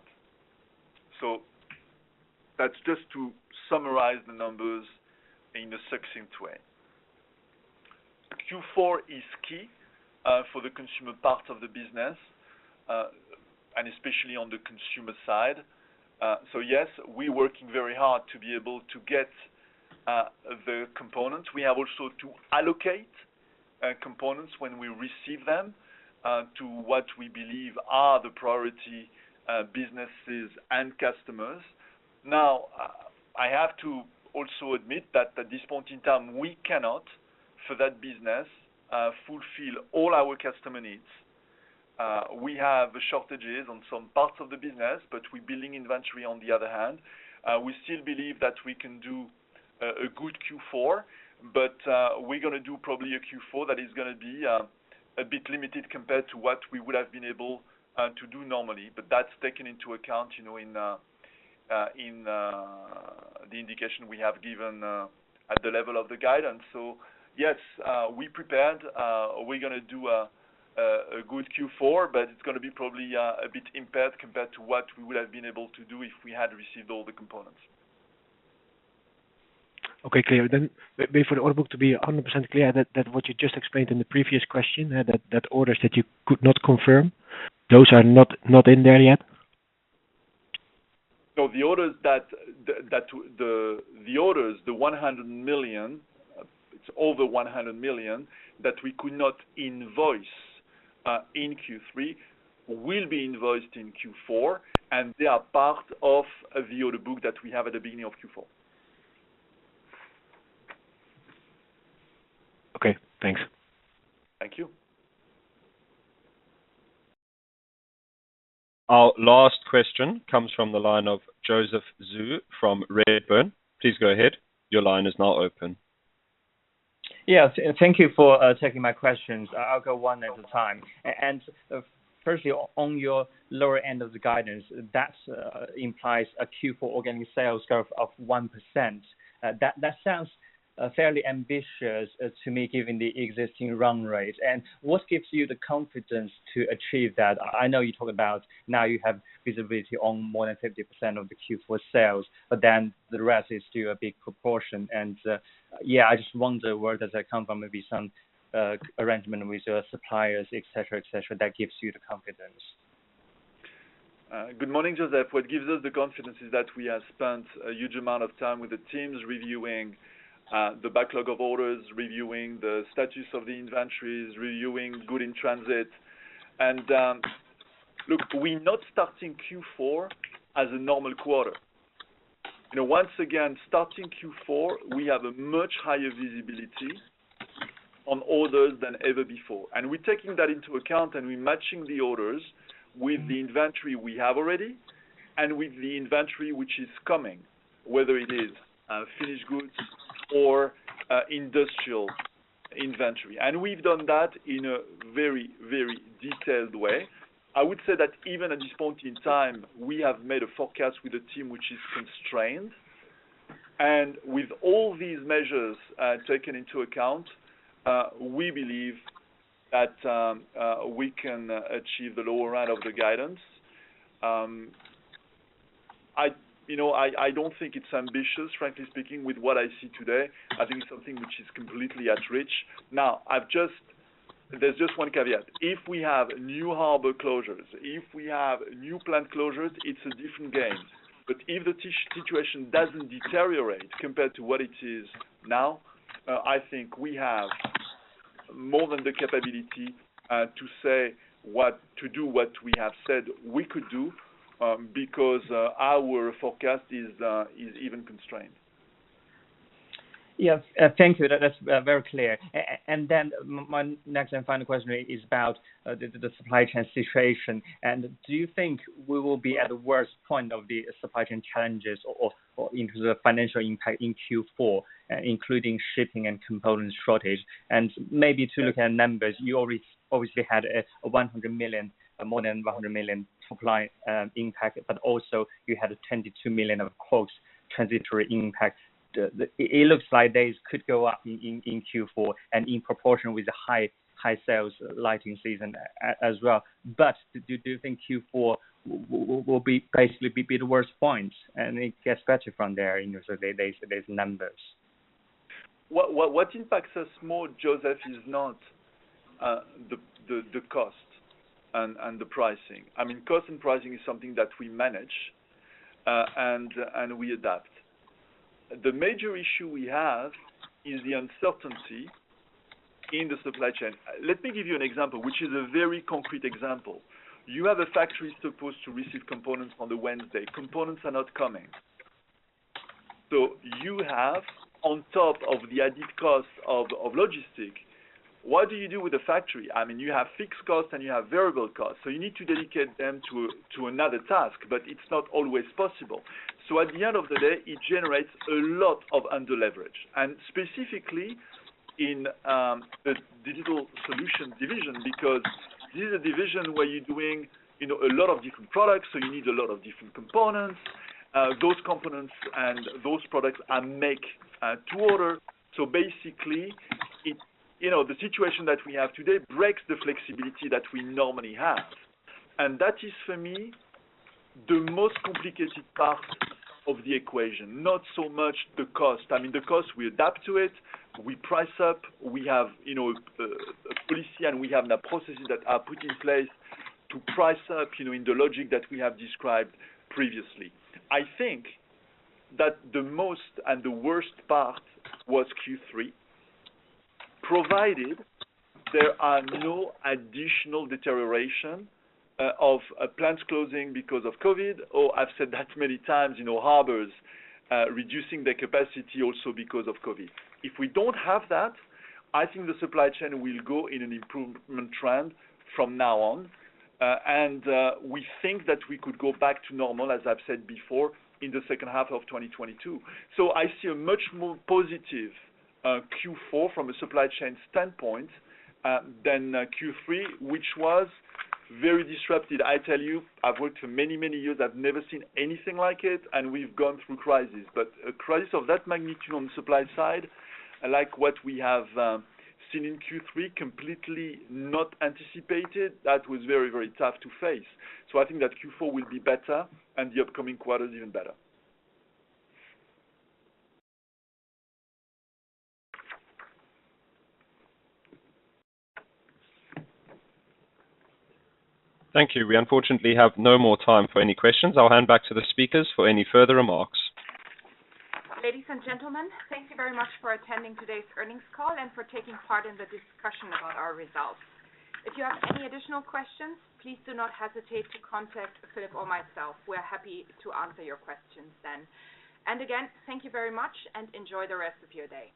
That's just to summarize the numbers in a succinct way. Q4 is key for the consumer part of the business, and especially on the consumer side. Yes, we working very hard to be able to get the components. We have also to allocate components when we receive them to what we believe are the priority businesses and customers. Now, I have to also admit that at this point in time, we cannot, for that business, fulfill all our customer needs. We have shortages on some parts of the business, but we're building inventory on the other hand. We still believe that we can do a good Q4, but we're gonna do probably a Q4 that is gonna be a bit limited compared to what we would have been able to do normally. That's taken into account, you know, in the indication we have given at the level of the guidance. Yes, we prepared. We're gonna do a good Q4, but it's gonna be probably a bit impaired compared to what we would have been able to do if we had received all the components. Okay, clear. Wait for the order book to be 100% clear, that what you just explained in the previous question, that orders that you could not confirm, those are not in there yet? The orders, over 100 million, that we could not invoice in Q3 will be invoiced in Q4, and they are part of the order book that we have at the beginning of Q4. Okay, thanks. Thank you. Our last question comes from the line of Joseph Zhou from Redburn. Please go ahead. Your line is now open. Yes. Thank you for taking my questions. I'll go one at a time. Firstly, on your lower end of the guidance, that implies a Q4 organic sales growth of 1%. That sounds fairly ambitious to me, given the existing run rate. What gives you the confidence to achieve that? I know you talk about now you have visibility on more than 50% of the Q4 sales, but then the rest is still a big proportion. Yeah, I just wonder where does that come from? Maybe some arrangement with your suppliers, et cetera, et cetera, that gives you the confidence. Good morning, Joseph. What gives us the confidence is that we have spent a huge amount of time with the teams reviewing the backlog of orders, reviewing the status of the inventories, reviewing goods in transit. Look, we're not starting Q4 as a normal quarter. You know, once again, starting Q4, we have a much higher visibility on orders than ever before. We're taking that into account and we're matching the orders with the inventory we have already and with the inventory which is coming, whether it is finished goods or industrial inventory. We've done that in a very, very detailed way. I would say that even at this point in time, we have made a forecast with the team which is constrained. With all these measures taken into account, we believe that we can achieve the lower end of the guidance. You know, I don't think it's ambitious, frankly speaking, with what I see today. I think it's something which is completely at reach. There's just one caveat. If we have new harbor closures, if we have new plant closures, it's a different game. If the this situation doesn't deteriorate compared to what it is now, I think we have more than the capability to do what we have said we could do, because our forecast is even constrained. Yes. Thank you. That is very clear. Then my next and final question is about the supply chain situation. Do you think we will be at the worst point of the supply chain challenges or in terms of financial impact in Q4, including shipping and component shortage? Maybe to look at numbers, you already obviously had 100 million, more than 100 million supply impact, but also you had 22 million of gross transitory impact. It looks like this could go up in Q4 and in proportion with the high sales lighting season as well. Do you think Q4 will basically be the worst point and it gets better from there, you know, so there's numbers? What impacts us more, Joseph, is not the cost and the pricing. I mean, cost and pricing is something that we manage and we adapt. The major issue we have is the uncertainty in the supply chain. Let me give you an example, which is a very concrete example. You have a factory supposed to receive components on Wednesday, components are not coming. You have on top of the added cost of logistics, what do you do with the factory? I mean, you have fixed costs and you have variable costs, so you need to dedicate them to another task, but it's not always possible. At the end of the day, it generates a lot of underleverage, and specifically in the Digital Solutions division, because this is a division where you're doing, you know, a lot of different products, so you need a lot of different components. Those components and those products are made to order. Basically it you know, the situation that we have today breaks the flexibility that we normally have. That is for me, the most complicated part of the equation, not so much the cost. I mean, the cost, we adapt to it, we price up. We have, you know, a policy, and we have the processes that are put in place to price up, you know, in the logic that we have described previously. I think that the most and the worst part was Q3. Provided there are no additional deterioration of plants closing because of COVID, or I've said that many times, harbors reducing their capacity also because of COVID. If we don't have that, I think the supply chain will go in an improvement trend from now on. We think that we could go back to normal, as I've said before, in the second half of 2022. I see a much more positive Q4 from a supply chain standpoint than Q3, which was very disrupted. I tell you, I've worked for many, many years. I've never seen anything like it, and we've gone through crisis. A crisis of that magnitude on supply side, like what we have seen in Q3, completely not anticipated, that was very, very tough to face. I think that Q4 will be better and the upcoming quarters even better. Thank you. We unfortunately have no more time for any questions. I'll hand back to the speakers for any further remarks. Ladies and gentlemen, thank you very much for attending today's earnings call and for taking part in the discussion about our results. If you have any additional questions, please do not hesitate to contact Philip or myself. We're happy to answer your questions then. Again, thank you very much and enjoy the rest of your day.